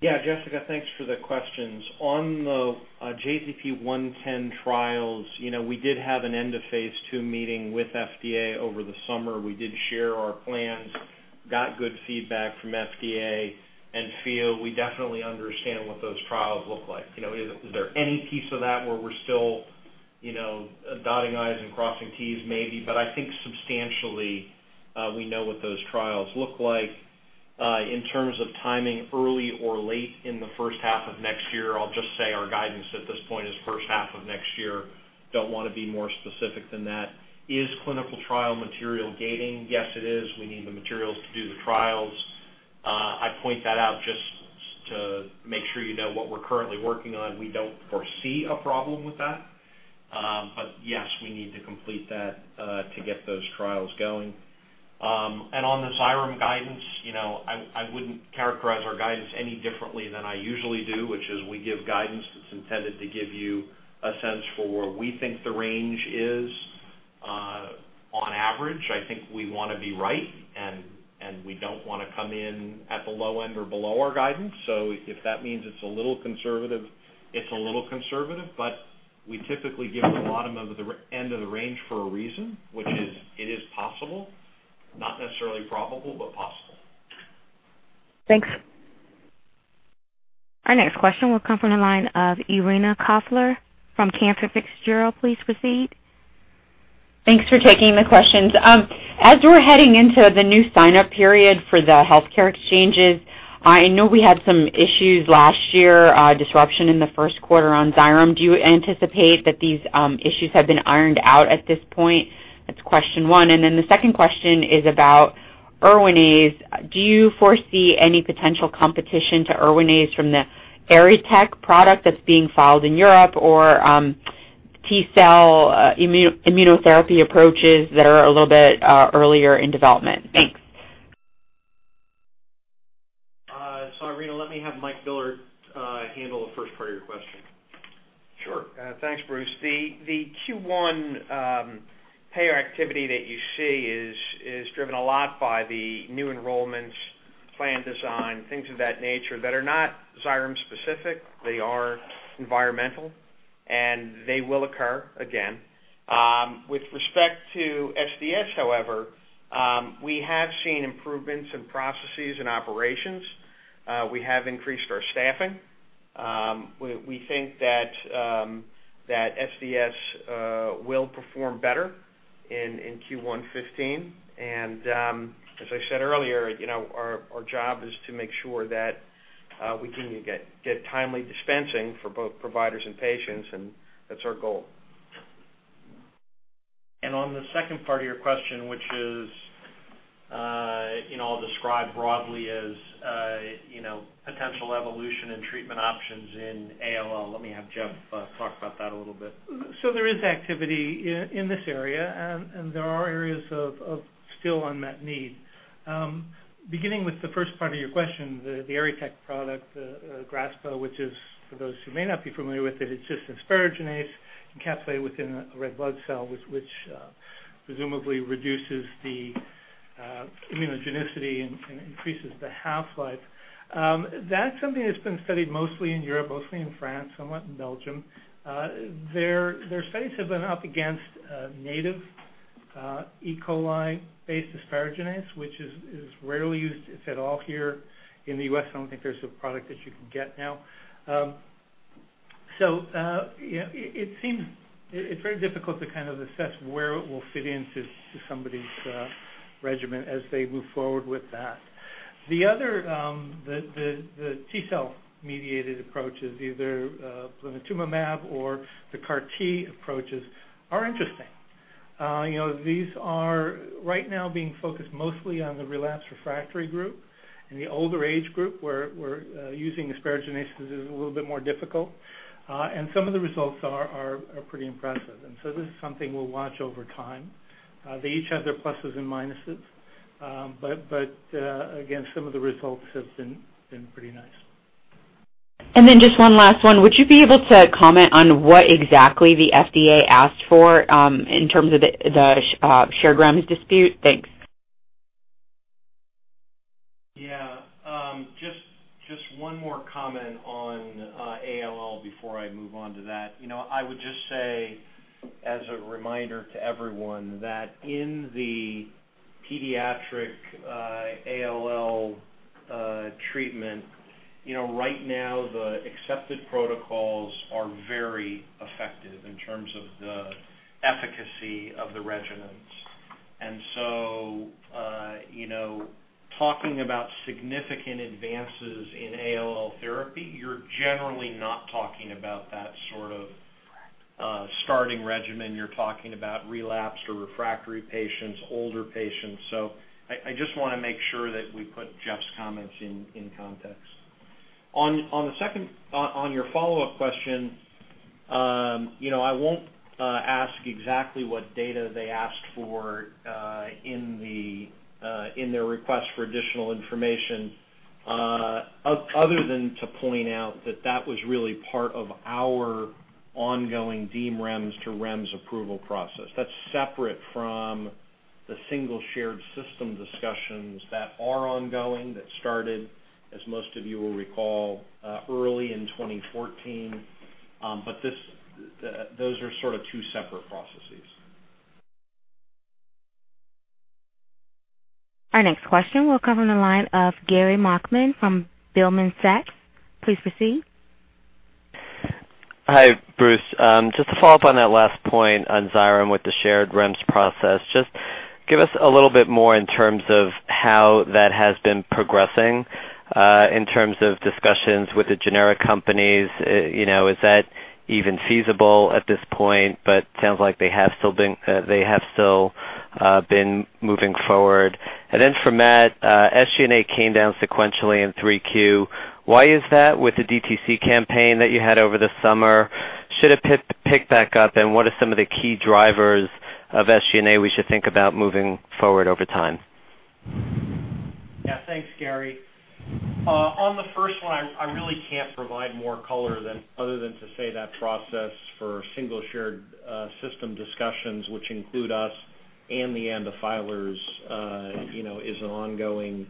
S3: Yeah. Jessica, thanks for the questions. On the JZP-110 trials, you know, we did have an end of phase II meeting with FDA over the summer. We did share our plans, got good feedback from FDA and feel we definitely understand what those trials look like. You know, is there any piece of that where we're still, you know, dotting i's and crossing t's? Maybe. But I think substantially, we know what those trials look like. In terms of timing early or late in the first half of next year, I'll just say our guidance at this point is first half of next year. Don't wanna be more specific than that. Is clinical trial material gating? Yes, it is. We need the materials to do the trials. I point that out just to make sure you know what we're currently working on. We don't foresee a problem with that. Yes, we need to complete that to get those trials going. On the Xyrem guidance, you know, I wouldn't characterize our guidance any differently than I usually do, which is we give guidance that's intended to give you a sense for where we think the range is, on average. I think we wanna be right, and we don't wanna come in at the low end or below our guidance. If that means it's a little conservative, it's a little conservative. We typically give the bottom end of the range for a reason, which is it is possible, not necessarily probable, but possible.
S16: Thanks.
S1: Our next question will come from the line of Irina Koffler from Cantor Fitzgerald. Please proceed.
S17: Thanks for taking the questions. As we're heading into the new sign-up period for the healthcare exchanges, I know we had some issues last year, disruption in the Q1 on Xyrem. Do you anticipate that these issues have been ironed out at this point? That's question one. The second question is about Erwinaze. Do you foresee any potential competition to Erwinaze from the ERYTECH product that's being filed in Europe or T-cell immunotherapy approaches that are a little bit earlier in development? Thanks.
S3: Irina, let me have Michael P. Miller handle the first part of your question.
S10: Sure. Thanks, Bruce. Q1 payer activity that you see is driven a lot by the new enrollments, plan design, things of that nature that are not Xyrem specific. They are environmental, and they will occur again. With respect to SDS, however, we have seen improvements in processes and operations. We have increased our staffing. We think that SDS will perform better in Q1 2015. As I said earlier, you know, our job is to make sure that we can get timely dispensing for both providers and patients, and that's our goal.
S3: On the second part of your question, which is, you know, I'll describe broadly as, you know, potential evolution and treatment options in ALL. Let me have Jeff talk about that a little bit.
S11: There is activity in this area, and there are areas of still unmet need. Beginning with the first part of your question, the Erytech product, GRASPA, which is for those who may not be familiar with it's just asparaginase encapsulated within a red blood cell, which presumably reduces the immunogenicity and increases the half-life. That's something that's been studied mostly in Europe, mostly in France, somewhat in Belgium. Their studies have been up against native E. coli-based asparaginase, which is rarely used, if at all, here in the U.S. I don't think there's a product that you can get now. You know, it seems. It is very difficult to kind of assess where it will fit into somebody's regimen as they move forward with that. The other T-cell mediated approaches, either blinatumomab or the CAR T approaches are interesting. You know, these are right now being focused mostly on the relapsed refractory group and the older age group where using asparaginase is a little bit more difficult, and some of the results are pretty impressive. This is something we'll watch over time. They each have their pluses and minuses, but again, some of the results have been pretty nice.
S17: Just one last one. Would you be able to comment on what exactly the FDA asked for in terms of the shared REMS dispute? Thanks.
S3: Yeah. Just one more comment on ALL before I move on to that. You know, I would just say as a reminder to everyone that in the pediatric ALL treatment, you know, right now, the accepted protocols are very effective in terms of the efficacy of the regimens. You know, talking about significant advances in ALL therapy, you're generally not talking about that sort of starting regimen. You're talking about relapsed or refractory patients, older patients. I just wanna make sure that we put Jeff's comments in context. On your follow-up question, you know, I won't ask exactly what data they asked for in their request for additional information, other than to point out that that was really part of our ongoing DTC REMS-to-REMS approval process. That's separate from the single shared system discussions that are ongoing, that started, as most of you will recall, early in 2014. Those are sort of two separate processes.
S1: Our next question will come on the line of Gary Nachman from Goldman Sachs. Please proceed.
S18: Hi, Bruce. Just to follow up on that last point on Xyrem with the shared REMS process. Just give us a little bit more in terms of how that has been progressing in terms of discussions with the generic companies. Is that even feasible at this point? Sounds like they have still been moving forward. From that, SG&A came down sequentially in Q3. Why is that with the DTC campaign that you had over the summer? Should it pick back up? What are some of the key drivers of SG&A we should think about moving forward over time?
S3: Yeah. Thanks, Gary. On the first one, I really can't provide more color than other than to say that process for single shared system discussions, which include us and the ANDA filers, you know, is an ongoing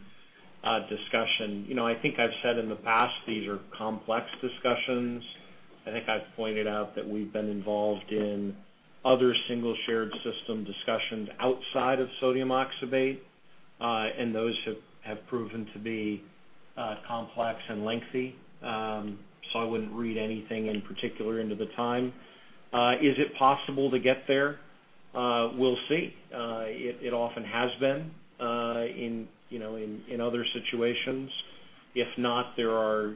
S3: discussion. You know, I think I've said in the past these are complex discussions. I think I've pointed out that we've been involved in other single shared system discussions outside of sodium oxybate, and those have proven to be complex and lengthy. So I wouldn't read anything in particular into the time. Is it possible to get there? We'll see. It often has been in, you know, in other situations. If not, there are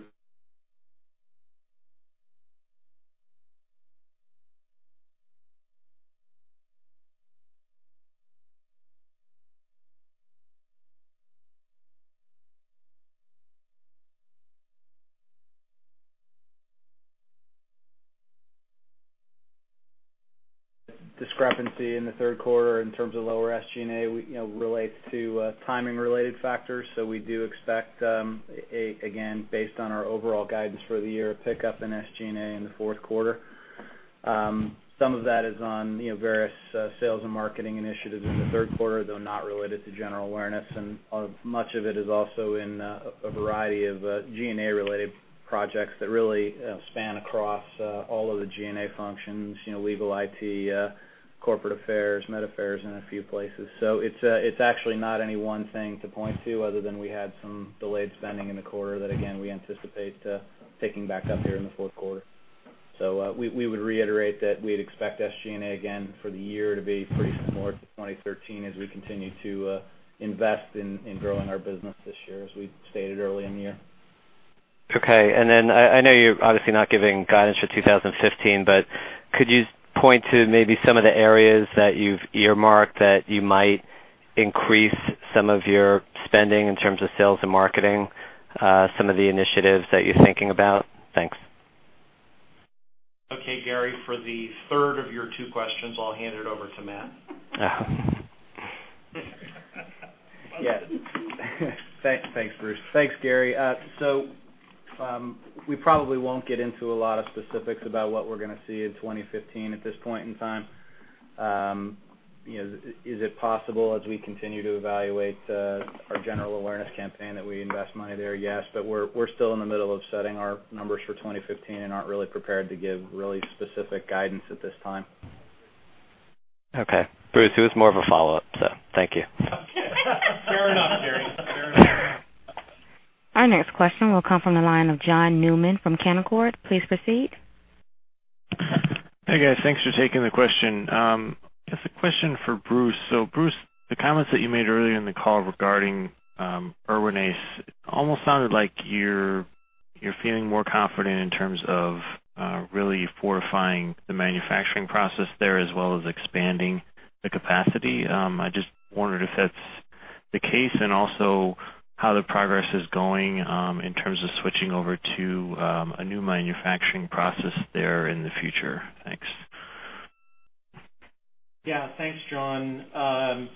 S3: discrepancy in the Q3 in terms of lower SG&A, we, you know, relates to timing-related factors. We do expect again, based on our overall guidance for the year, a pickup in SG&A in the Q4. Some of that is on, you know, various sales and marketing initiatives in the Q3, though not related to general awareness, and much of it is also in a variety of G&A-related projects that really span across all of the G&A functions, you know, legal, IT, corporate affairs, med affairs in a few places. It's actually not any one thing to point to other than we had some delayed spending in the quarter that again, we anticipate picking back up here in the Q4. We would reiterate that we'd expect SG&A again for the year to be pretty similar to 2013 as we continue to invest in growing our business this year, as we stated early in the year.
S18: Okay. I know you're obviously not giving guidance for 2015, but could you point to maybe some of the areas that you've earmarked that you might increase some of your spending in terms of sales and marketing, some of the initiatives that you're thinking about? Thanks.
S3: Okay, Gary, for the third of your two questions, I'll hand it over to Matt.
S4: Yes. Thanks, Bruce. Thanks, Gary. We probably won't get into a lot of specifics about what we're gonna see in 2015 at this point in time. Is it possible as we continue to evaluate our general awareness campaign that we invest money there? Yes. We're still in the middle of setting our numbers for 2015 and aren't really prepared to give really specific guidance at this time.
S18: Okay. Bruce, it was more of a follow-up, so thank you.
S3: Fair enough, Gary. Fair enough.
S1: Our next question will come from the line of John Newman from Canaccord. Please proceed.
S19: Hi, guys. Thanks for taking the question. Just a question for Bruce. Bruce, the comments that you made earlier in the call regarding Erwinaze almost sounded like you're feeling more confident in terms of really fortifying the manufacturing process there as well as expanding the capacity. I just wondered if that's the case and also how the progress is going in terms of switching over to a new manufacturing process there in the future. Thanks.
S3: Yeah. Thanks, John.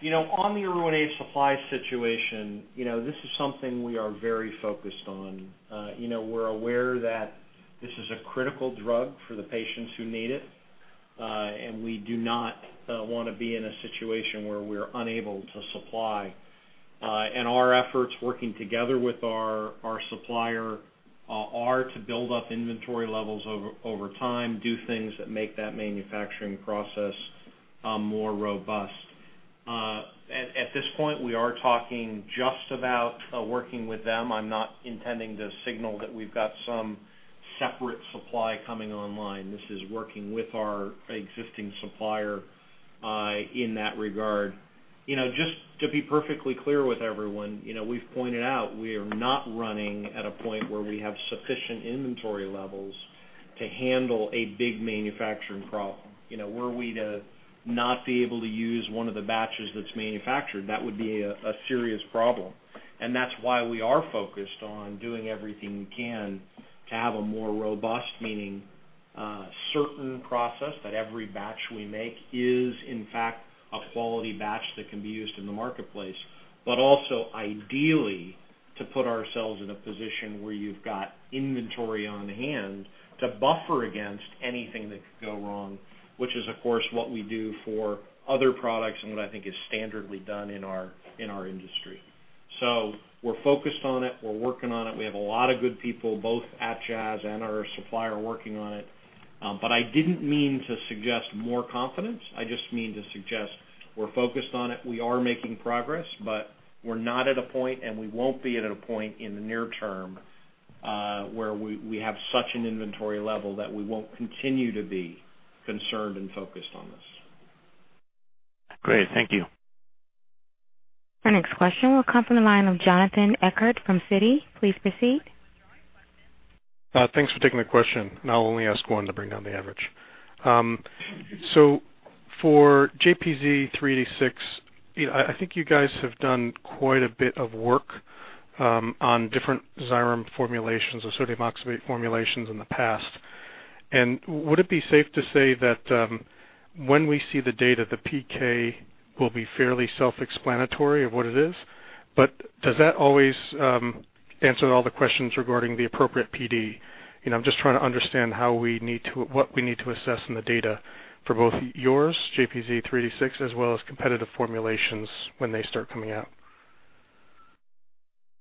S3: You know, on the Erwinaze supply situation, you know, this is something we are very focused on. You know, we're aware that this is a critical drug for the patients who need it, and we do not wanna be in a situation where we're unable to supply. Our efforts working together with our supplier are to build up inventory levels over time, do things that make that manufacturing process more robust. At this point, we are talking just about working with them. I'm not intending to signal that we've got some separate supply coming online. This is working with our existing supplier in that regard. You know, just to be perfectly clear with everyone, you know, we've pointed out we are not running at a point where we have sufficient inventory levels to handle a big manufacturing problem. You know, were we to not be able to use one of the batches that's manufactured, that would be a serious problem. That's why we are focused on doing everything we can to have a more robust, meaning, certain process that every batch we make is, in fact, a quality batch that can be used in the marketplace. Also ideally, to put ourselves in a position where you've got inventory on hand to buffer against anything that could go wrong, which is, of course, what we do for other products and what I think is standardly done in our, in our industry. We're focused on it. We're working on it. We have a lot of good people, both at Jazz and our supplier, working on it. I didn't mean to suggest more confidence. I just mean to suggest we're focused on it. We are making progress, but we're not at a point, and we won't be at a point in the near term, where we have such an inventory level that we won't continue to be concerned and focused on this.
S19: Great. Thank you.
S1: Our next question will come from the line of Jonathan Eckard from Citi. Please proceed.
S20: Thanks for taking the question, and I'll only ask one to bring down the average. So for JZP-386, you know, I think you guys have done quite a bit of work on different Xyrem formulations or sodium oxybate formulations in the past. Would it be safe to say that when we see the data, the PK will be fairly self-explanatory of what it is? Does that always answer all the questions regarding the appropriate PD? You know, I'm just trying to understand what we need to assess in the data for both yours, JZP-386, as well as competitive formulations when they start coming out.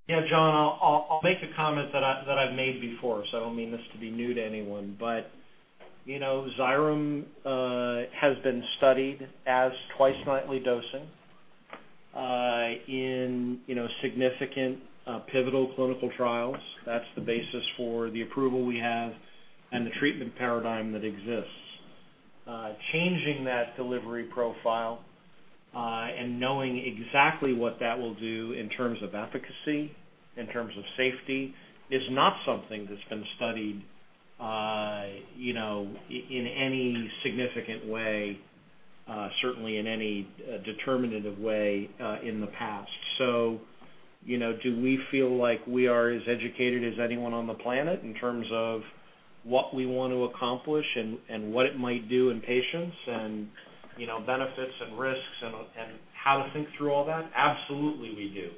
S3: Yeah, Jon, I'll make the comment that I've made before, so I don't mean this to be new to anyone. You know, Xyrem has been studied as twice-nightly dosing in you know, significant pivotal clinical trials. That's the basis for the approval we have and the treatment paradigm that exists. Changing that delivery profile and knowing exactly what that will do in terms of efficacy, in terms of safety, is not something that's been studied you know, in any significant way. Certainly in any determinative way in the past. You know, do we feel like we are as educated as anyone on the planet in terms of what we want to accomplish and what it might do in patients and you know, benefits and risks and how to think through all that? Absolutely, we do.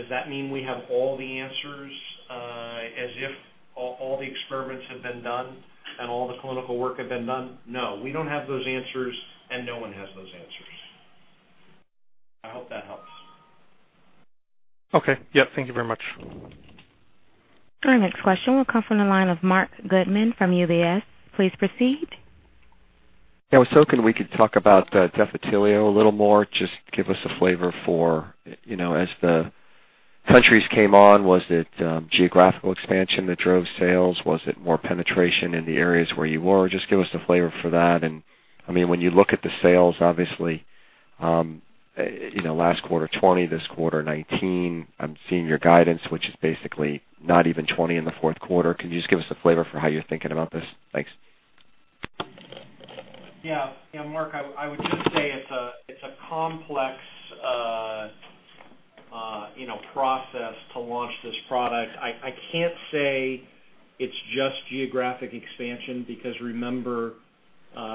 S3: Does that mean we have all the answers, as if all the experiments have been done and all the clinical work have been done? No, we don't have those answers, and no one has those answers. I hope that helps.
S20: Okay. Yeah. Thank you very much.
S1: Our next question will come from the line of Marc Goodman from UBS. Please proceed.
S21: Yeah, I was hoping we could talk about Defitelio a little more. Just give us a flavor for, you know, as the countries came on, was it geographical expansion that drove sales? Was it more penetration in the areas where you were? Just give us the flavor for that. And I mean, when you look at the sales, obviously, you know, last quarter, $20, this quarter, $19. I'm seeing your guidance, which is basically not even $20 in the Q4. Can you just give us a flavor for how you're thinking about this? Thanks.
S3: Yeah. Yeah, Marc, I would just say it's a complex, you know, process to launch this product. I can't say it's just geographic expansion because remember,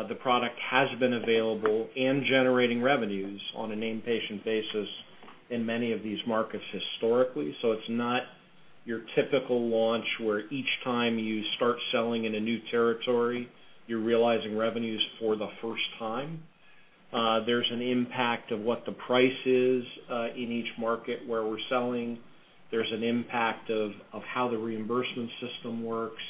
S3: the product has been available and generating revenues on a named patient basis in many of these markets historically. It's not your typical launch, where each time you start selling in a new territory, you're realizing revenues for the first time. There's an impact of what the price is in each market where we're selling. There's an impact of how the reimbursement system works.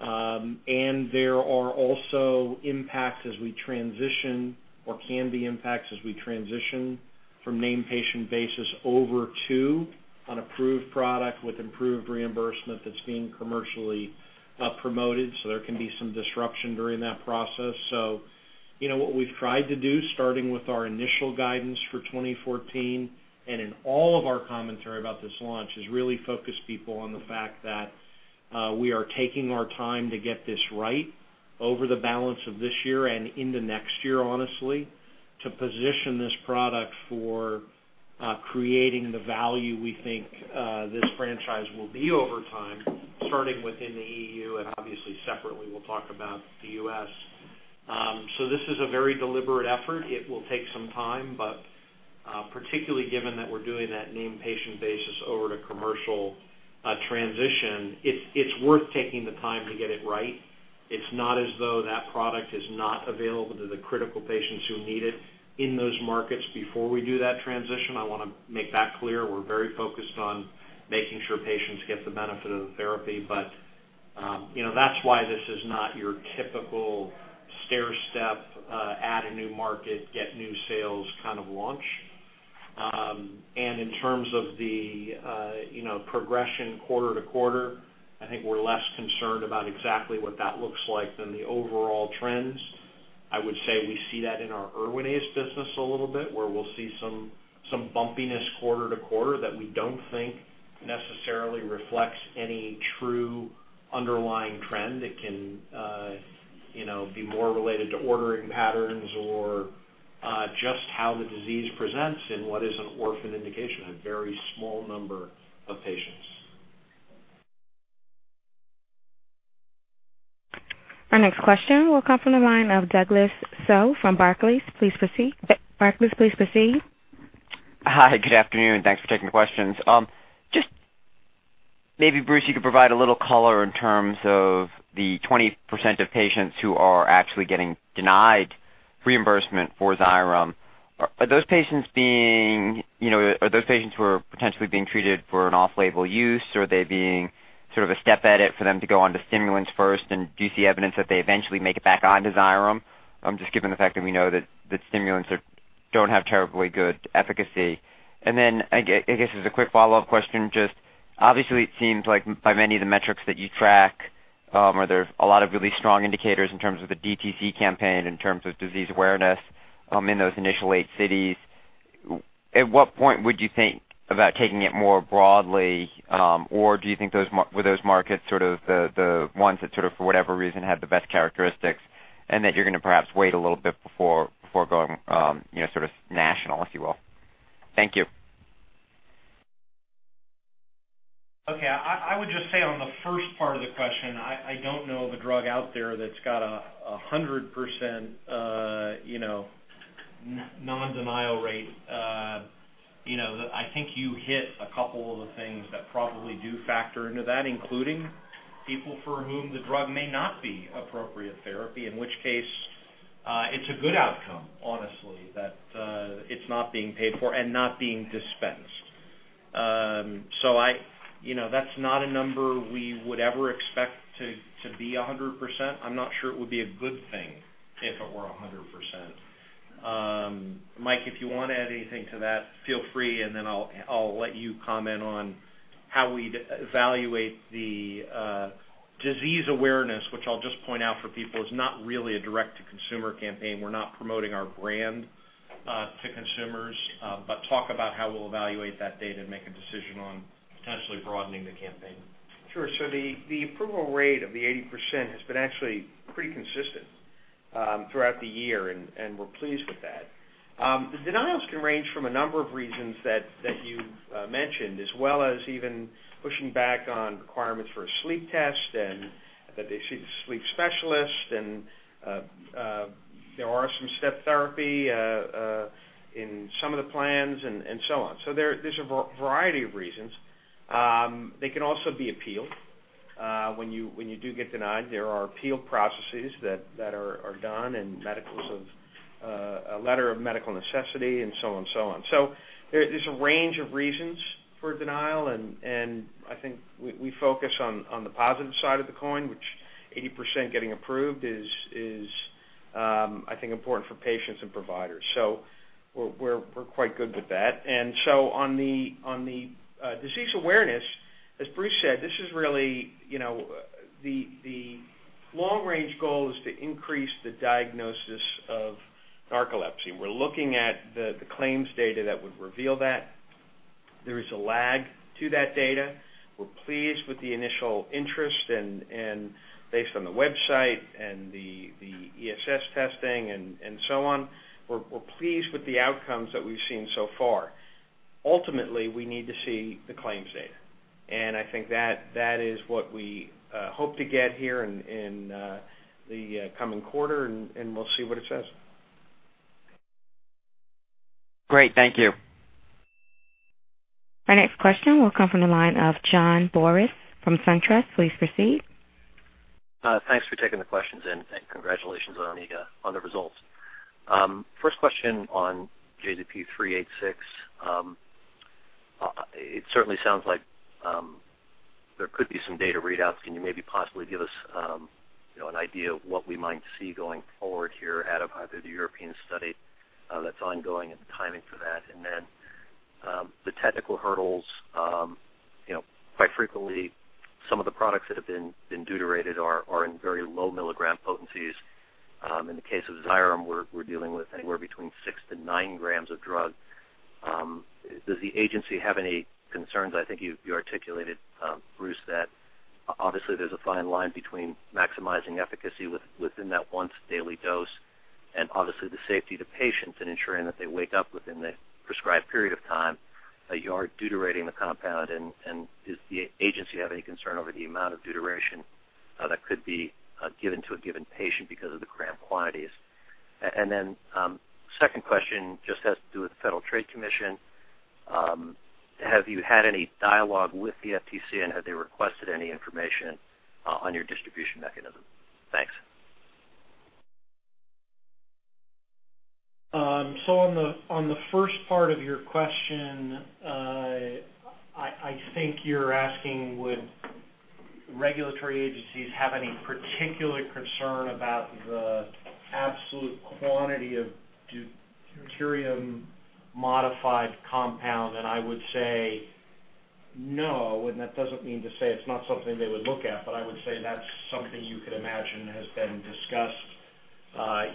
S3: There are also impacts as we transition or can be impacts as we transition from named patient basis over to an approved product with improved reimbursement that's being commercially promoted, so there can be some disruption during that process. You know, what we've tried to do, starting with our initial guidance for 2014 and in all of our commentary about this launch, is really focus people on the fact that we are taking our time to get this right over the balance of this year and into next year, honestly, to position this product for creating the value we think this franchise will be over time, starting within the E.U., and obviously separately, we'll talk about the U.S. This is a very deliberate effort. It will take some time, but particularly given that we're doing that named patient basis over to commercial transition, it's worth taking the time to get it right. It's not as though that product is not available to the critical patients who need it in those markets before we do that transition. I want to make that clear. We're very focused on making sure patients get the benefit of the therapy, but, you know, that's why this is not your typical stairstep, add a new market, get new sales kind of launch. In terms of the, you know, progression quarter to quarter, I think we're less concerned about exactly what that looks like than the overall trends. I would say we see that in our Erwinaze business a little bit, where we'll see some bumpiness quarter to quarter that we don't think necessarily reflects any true underlying trend that can, you know, be more related to ordering patterns or, just how the disease presents in what is an orphan indication, a very small number of patients.
S1: Our next question will come from the line of Douglas Tsao from Barclays. Please proceed. Barclays, please proceed.
S22: Hi. Good afternoon. Thanks for taking the questions. Just maybe, Bruce, you could provide a little color in terms of the 20% of patients who are actually getting denied reimbursement for Xyrem. Are those patients being, you know, are those patients who are potentially being treated for an off-label use? Are they being sort of a step edit for them to go on to stimulants first? And do you see evidence that they eventually make it back on to Xyrem? Just given the fact that we know that stimulants don't have terribly good efficacy. And then I guess, as a quick follow-up question, just obviously it seems like by many of the metrics that you track, are there a lot of really strong indicators in terms of the DTC campaign, in terms of disease awareness, in those initial eight cities? At what point would you think about taking it more broadly? Or do you think those were those markets sort of the ones that sort of, for whatever reason, had the best characteristics and that you're going to perhaps wait a little bit before going, you know, sort of national, if you will? Thank you.
S3: Okay. I would just say on the first part of the question, I don't know of a drug out there that's got a 100%, you know, non-denial rate. You know, I think you hit a couple of the things that probably do factor into that, including people for whom the drug may not be appropriate therapy, in which case, it's a good outcome, honestly, that it's not being paid for and not being dispensed. You know, that's not a number we would ever expect to be a 100%. I'm not sure it would be a good thing if it were a 100%. Mike, if you want to add anything to that, feel free, and then I'll let you comment on how we'd evaluate the disease awareness, which I'll just point out for people, is not really a direct-to-consumer campaign. We're not promoting our brand to consumers, but talk about how we'll evaluate that data and make a decision on potentially broadening the campaign.
S10: Sure. The approval rate of the 80% has been actually pretty consistent throughout the year, and we're pleased with that. The denials can range from a number of reasons that you mentioned, as well as even pushing back on requirements for a sleep test and that they see the sleep specialist and there are some step therapy in some of the plans and so on. There's a variety of reasons. They can also be appealed when you do get denied, there are appeal processes that are done and a letter of medical necessity and so on and so on. There's a range of reasons for a denial, and I think we focus on the positive side of the coin, which 80% getting approved is, I think important for patients and providers. We're quite good with that. On the disease awareness, as Bruce said, this is really, you know, the long-range goal is to increase the diagnosis of narcolepsy. We're looking at the claims data that would reveal that. There is a lag to that data. We're pleased with the initial interest and based on the website and the ESS testing and so on. We're pleased with the outcomes that we've seen so far. Ultimately, we need to see the claims data. I think that is what we hope to get here in the coming quarter, and we'll see what it says.
S22: Great. Thank you.
S1: Our next question will come from the line of John Boris from SunTrust. Please proceed.
S23: Thanks for taking the questions and congratulations on the results. First question on JZP-386. It certainly sounds like there could be some data readouts. Can you maybe possibly give us, you know, an idea of what we might see going forward here out of either the European study that's ongoing and the timing for that? The technical hurdles, you know, quite frequently some of the products that have been deuterated are in very low milligram potencies. In the case of Xyrem, we're dealing with anywhere between six to nine grams of drug. Does the agency have any concerns? I think you articulated, Bruce, that obviously there's a fine line between maximizing efficacy within that once daily dose and obviously the safety of the patients and ensuring that they wake up within the prescribed period of time, that you are deuterating the compound and does the agency have any concern over the amount of deuteration that could be given to a given patient because of the gram quantities? Then, second question just has to do with the Federal Trade Commission. Have you had any dialogue with the FTC, and have they requested any information on your distribution mechanism? Thanks.
S10: On the first part of your question, I think you're asking would regulatory agencies have any particular concern about the absolute quantity of deuterium-modified compound, and I would say no. That doesn't mean to say it's not something they would look at, but I would say that's something you could imagine has been discussed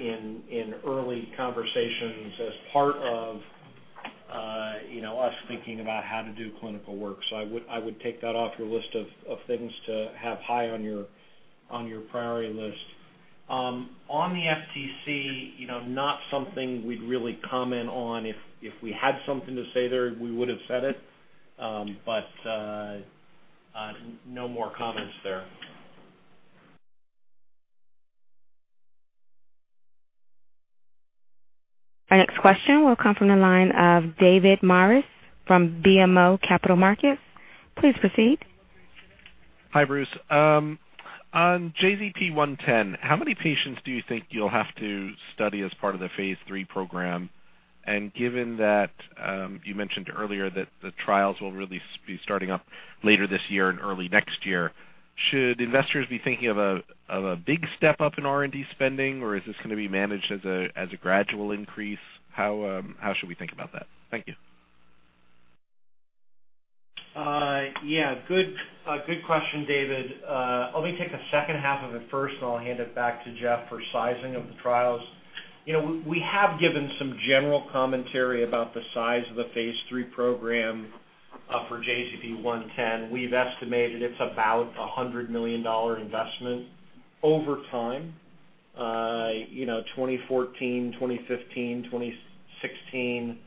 S10: in early conversations as part of you know us thinking about how to do clinical work. I would take that off your list of things to have high on your priority list. On the FTC, you know, not something we'd really comment on. If we had something to say there, we would have said it. No more comments there.
S1: Our next question will come from the line of David Maris from BMO Capital Markets. Please proceed.
S24: Hi, Bruce. On JZP-110, how many patients do you think you'll have to study as part of the phase III program? Given that you mentioned earlier that the trials will really be starting up later this year and early next year, should investors be thinking of a big step up in R&D spending, or is this gonna be managed as a gradual increase? How should we think about that? Thank you.
S3: Yeah. Good question, David. Let me take the second half of it first, and I'll hand it back to Jeff for sizing of the trials. You know, we have given some general commentary about the size of the phase III program for JZP-110. We've estimated it's about a $100 million investment over time. You know, 2014, 2015, 2016.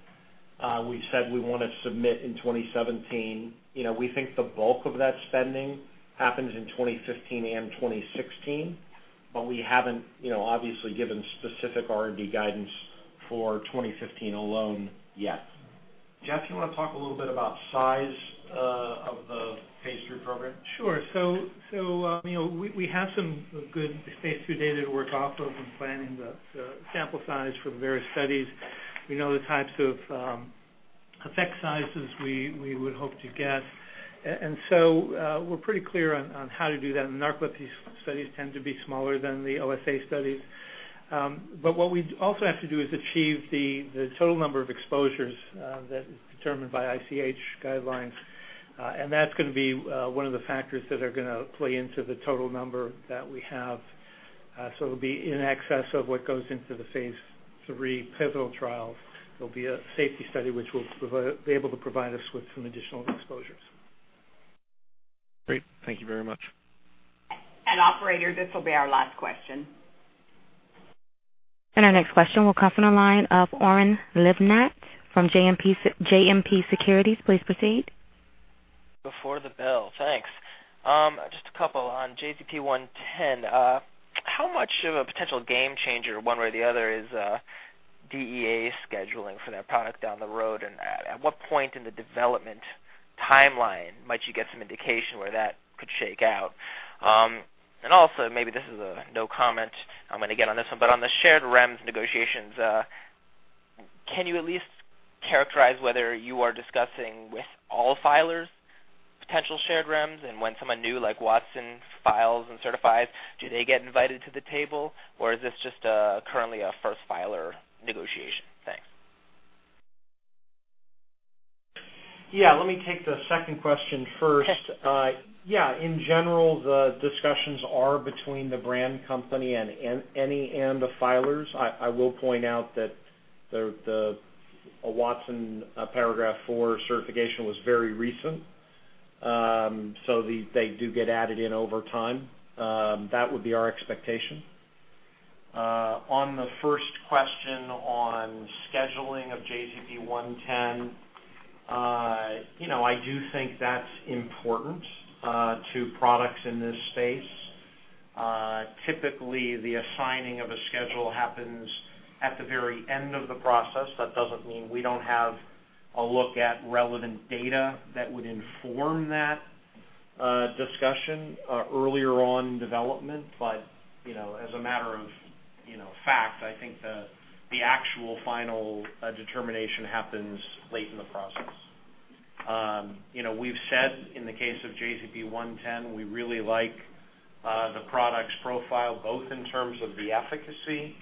S3: We said we wanna submit in 2017. You know, we think the bulk of that spending happens in 2015 and 2016, but we haven't, you know, obviously given specific R&D guidance for 2015 alone yet. Jeff, do you wanna talk a little bit about size of the phase III program?
S11: Sure. You know, we have some good phase III data to work off of when planning the sample size for the various studies. We know the types of effect sizes we would hope to get. We're pretty clear on how to do that. Narcolepsy studies tend to be smaller than the OSA studies. What we also have to do is achieve the total number of exposures that is determined by ICH guidelines. That's gonna be one of the factors that are gonna play into the total number that we have. It'll be in excess of what goes into the phase III pivotal trials. There'll be a safety study which will be able to provide us with some additional exposures.
S24: Great. Thank you very much.
S2: Operator, this will be our last question.
S1: Our next question will come from the line of Oren Livnat from JMP Securities. Please proceed.
S25: Before the bell. Thanks. Just a couple on JZP-110. How much of a potential game changer one way or the other is DEA scheduling for that product down the road? At what point in the development timeline might you get some indication where that could shake out? Also maybe this is a no comment I'm gonna get on this one, but on the shared REMS negotiations, can you at least characterize whether you are discussing with all filers potential shared REMS? When someone new like Watson files and certifies, do they get invited to the table, or is this just currently a first filer negotiation? Thanks.
S3: Yeah. Let me take the second question first. Yeah, in general, the discussions are between the brand company and any and the filers. I will point out that the Watson Paragraph IV certification was very recent. So they do get added in over time. That would be our expectation. On the first question on scheduling of JZP-110, you know, I do think that's important to products in this space. Typically, the assigning of a schedule happens at the very end of the process. That doesn't mean we don't have a look at relevant data that would inform that discussion earlier on in development. You know, as a matter of fact, I think the actual final determination happens late in the process. You know, we've said in the case of JZP-110, we really like the product's profile, both in terms of the efficacy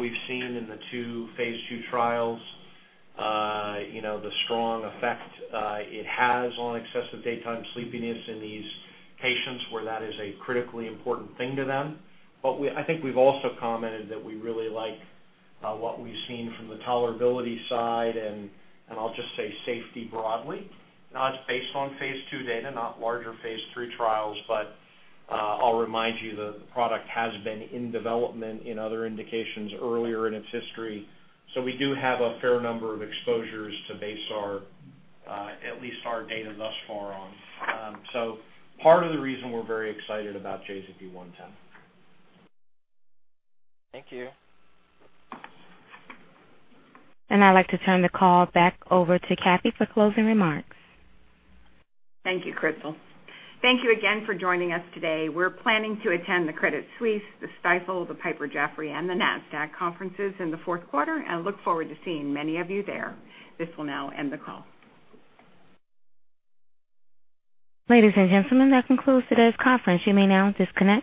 S3: we've seen in the two phase II trials, you know, the strong effect it has on excessive daytime sleepiness in these patients, where that is a critically important thing to them. I think we've also commented that we really like what we've seen from the tolerability side, and I'll just say safety broadly. Now that's based on phase II data, not larger phase III trials. I'll remind you the product has been in development in other indications earlier in its history. We do have a fair number of exposures to base our at least our data thus far on. Part of the reason we're very excited about JZP-110.
S25: Thank you.
S1: I'd like to turn the call back over to Kathy for closing remarks.
S2: Thank you, Crystal. Thank you again for joining us today. We're planning to attend the Credit Suisse, the Stifel, the Piper Jaffray, and the Nasdaq conferences in the Q4, and look forward to seeing many of you there. This will now end the call.
S1: Ladies and gentlemen, that concludes today's conference. You may now disconnect.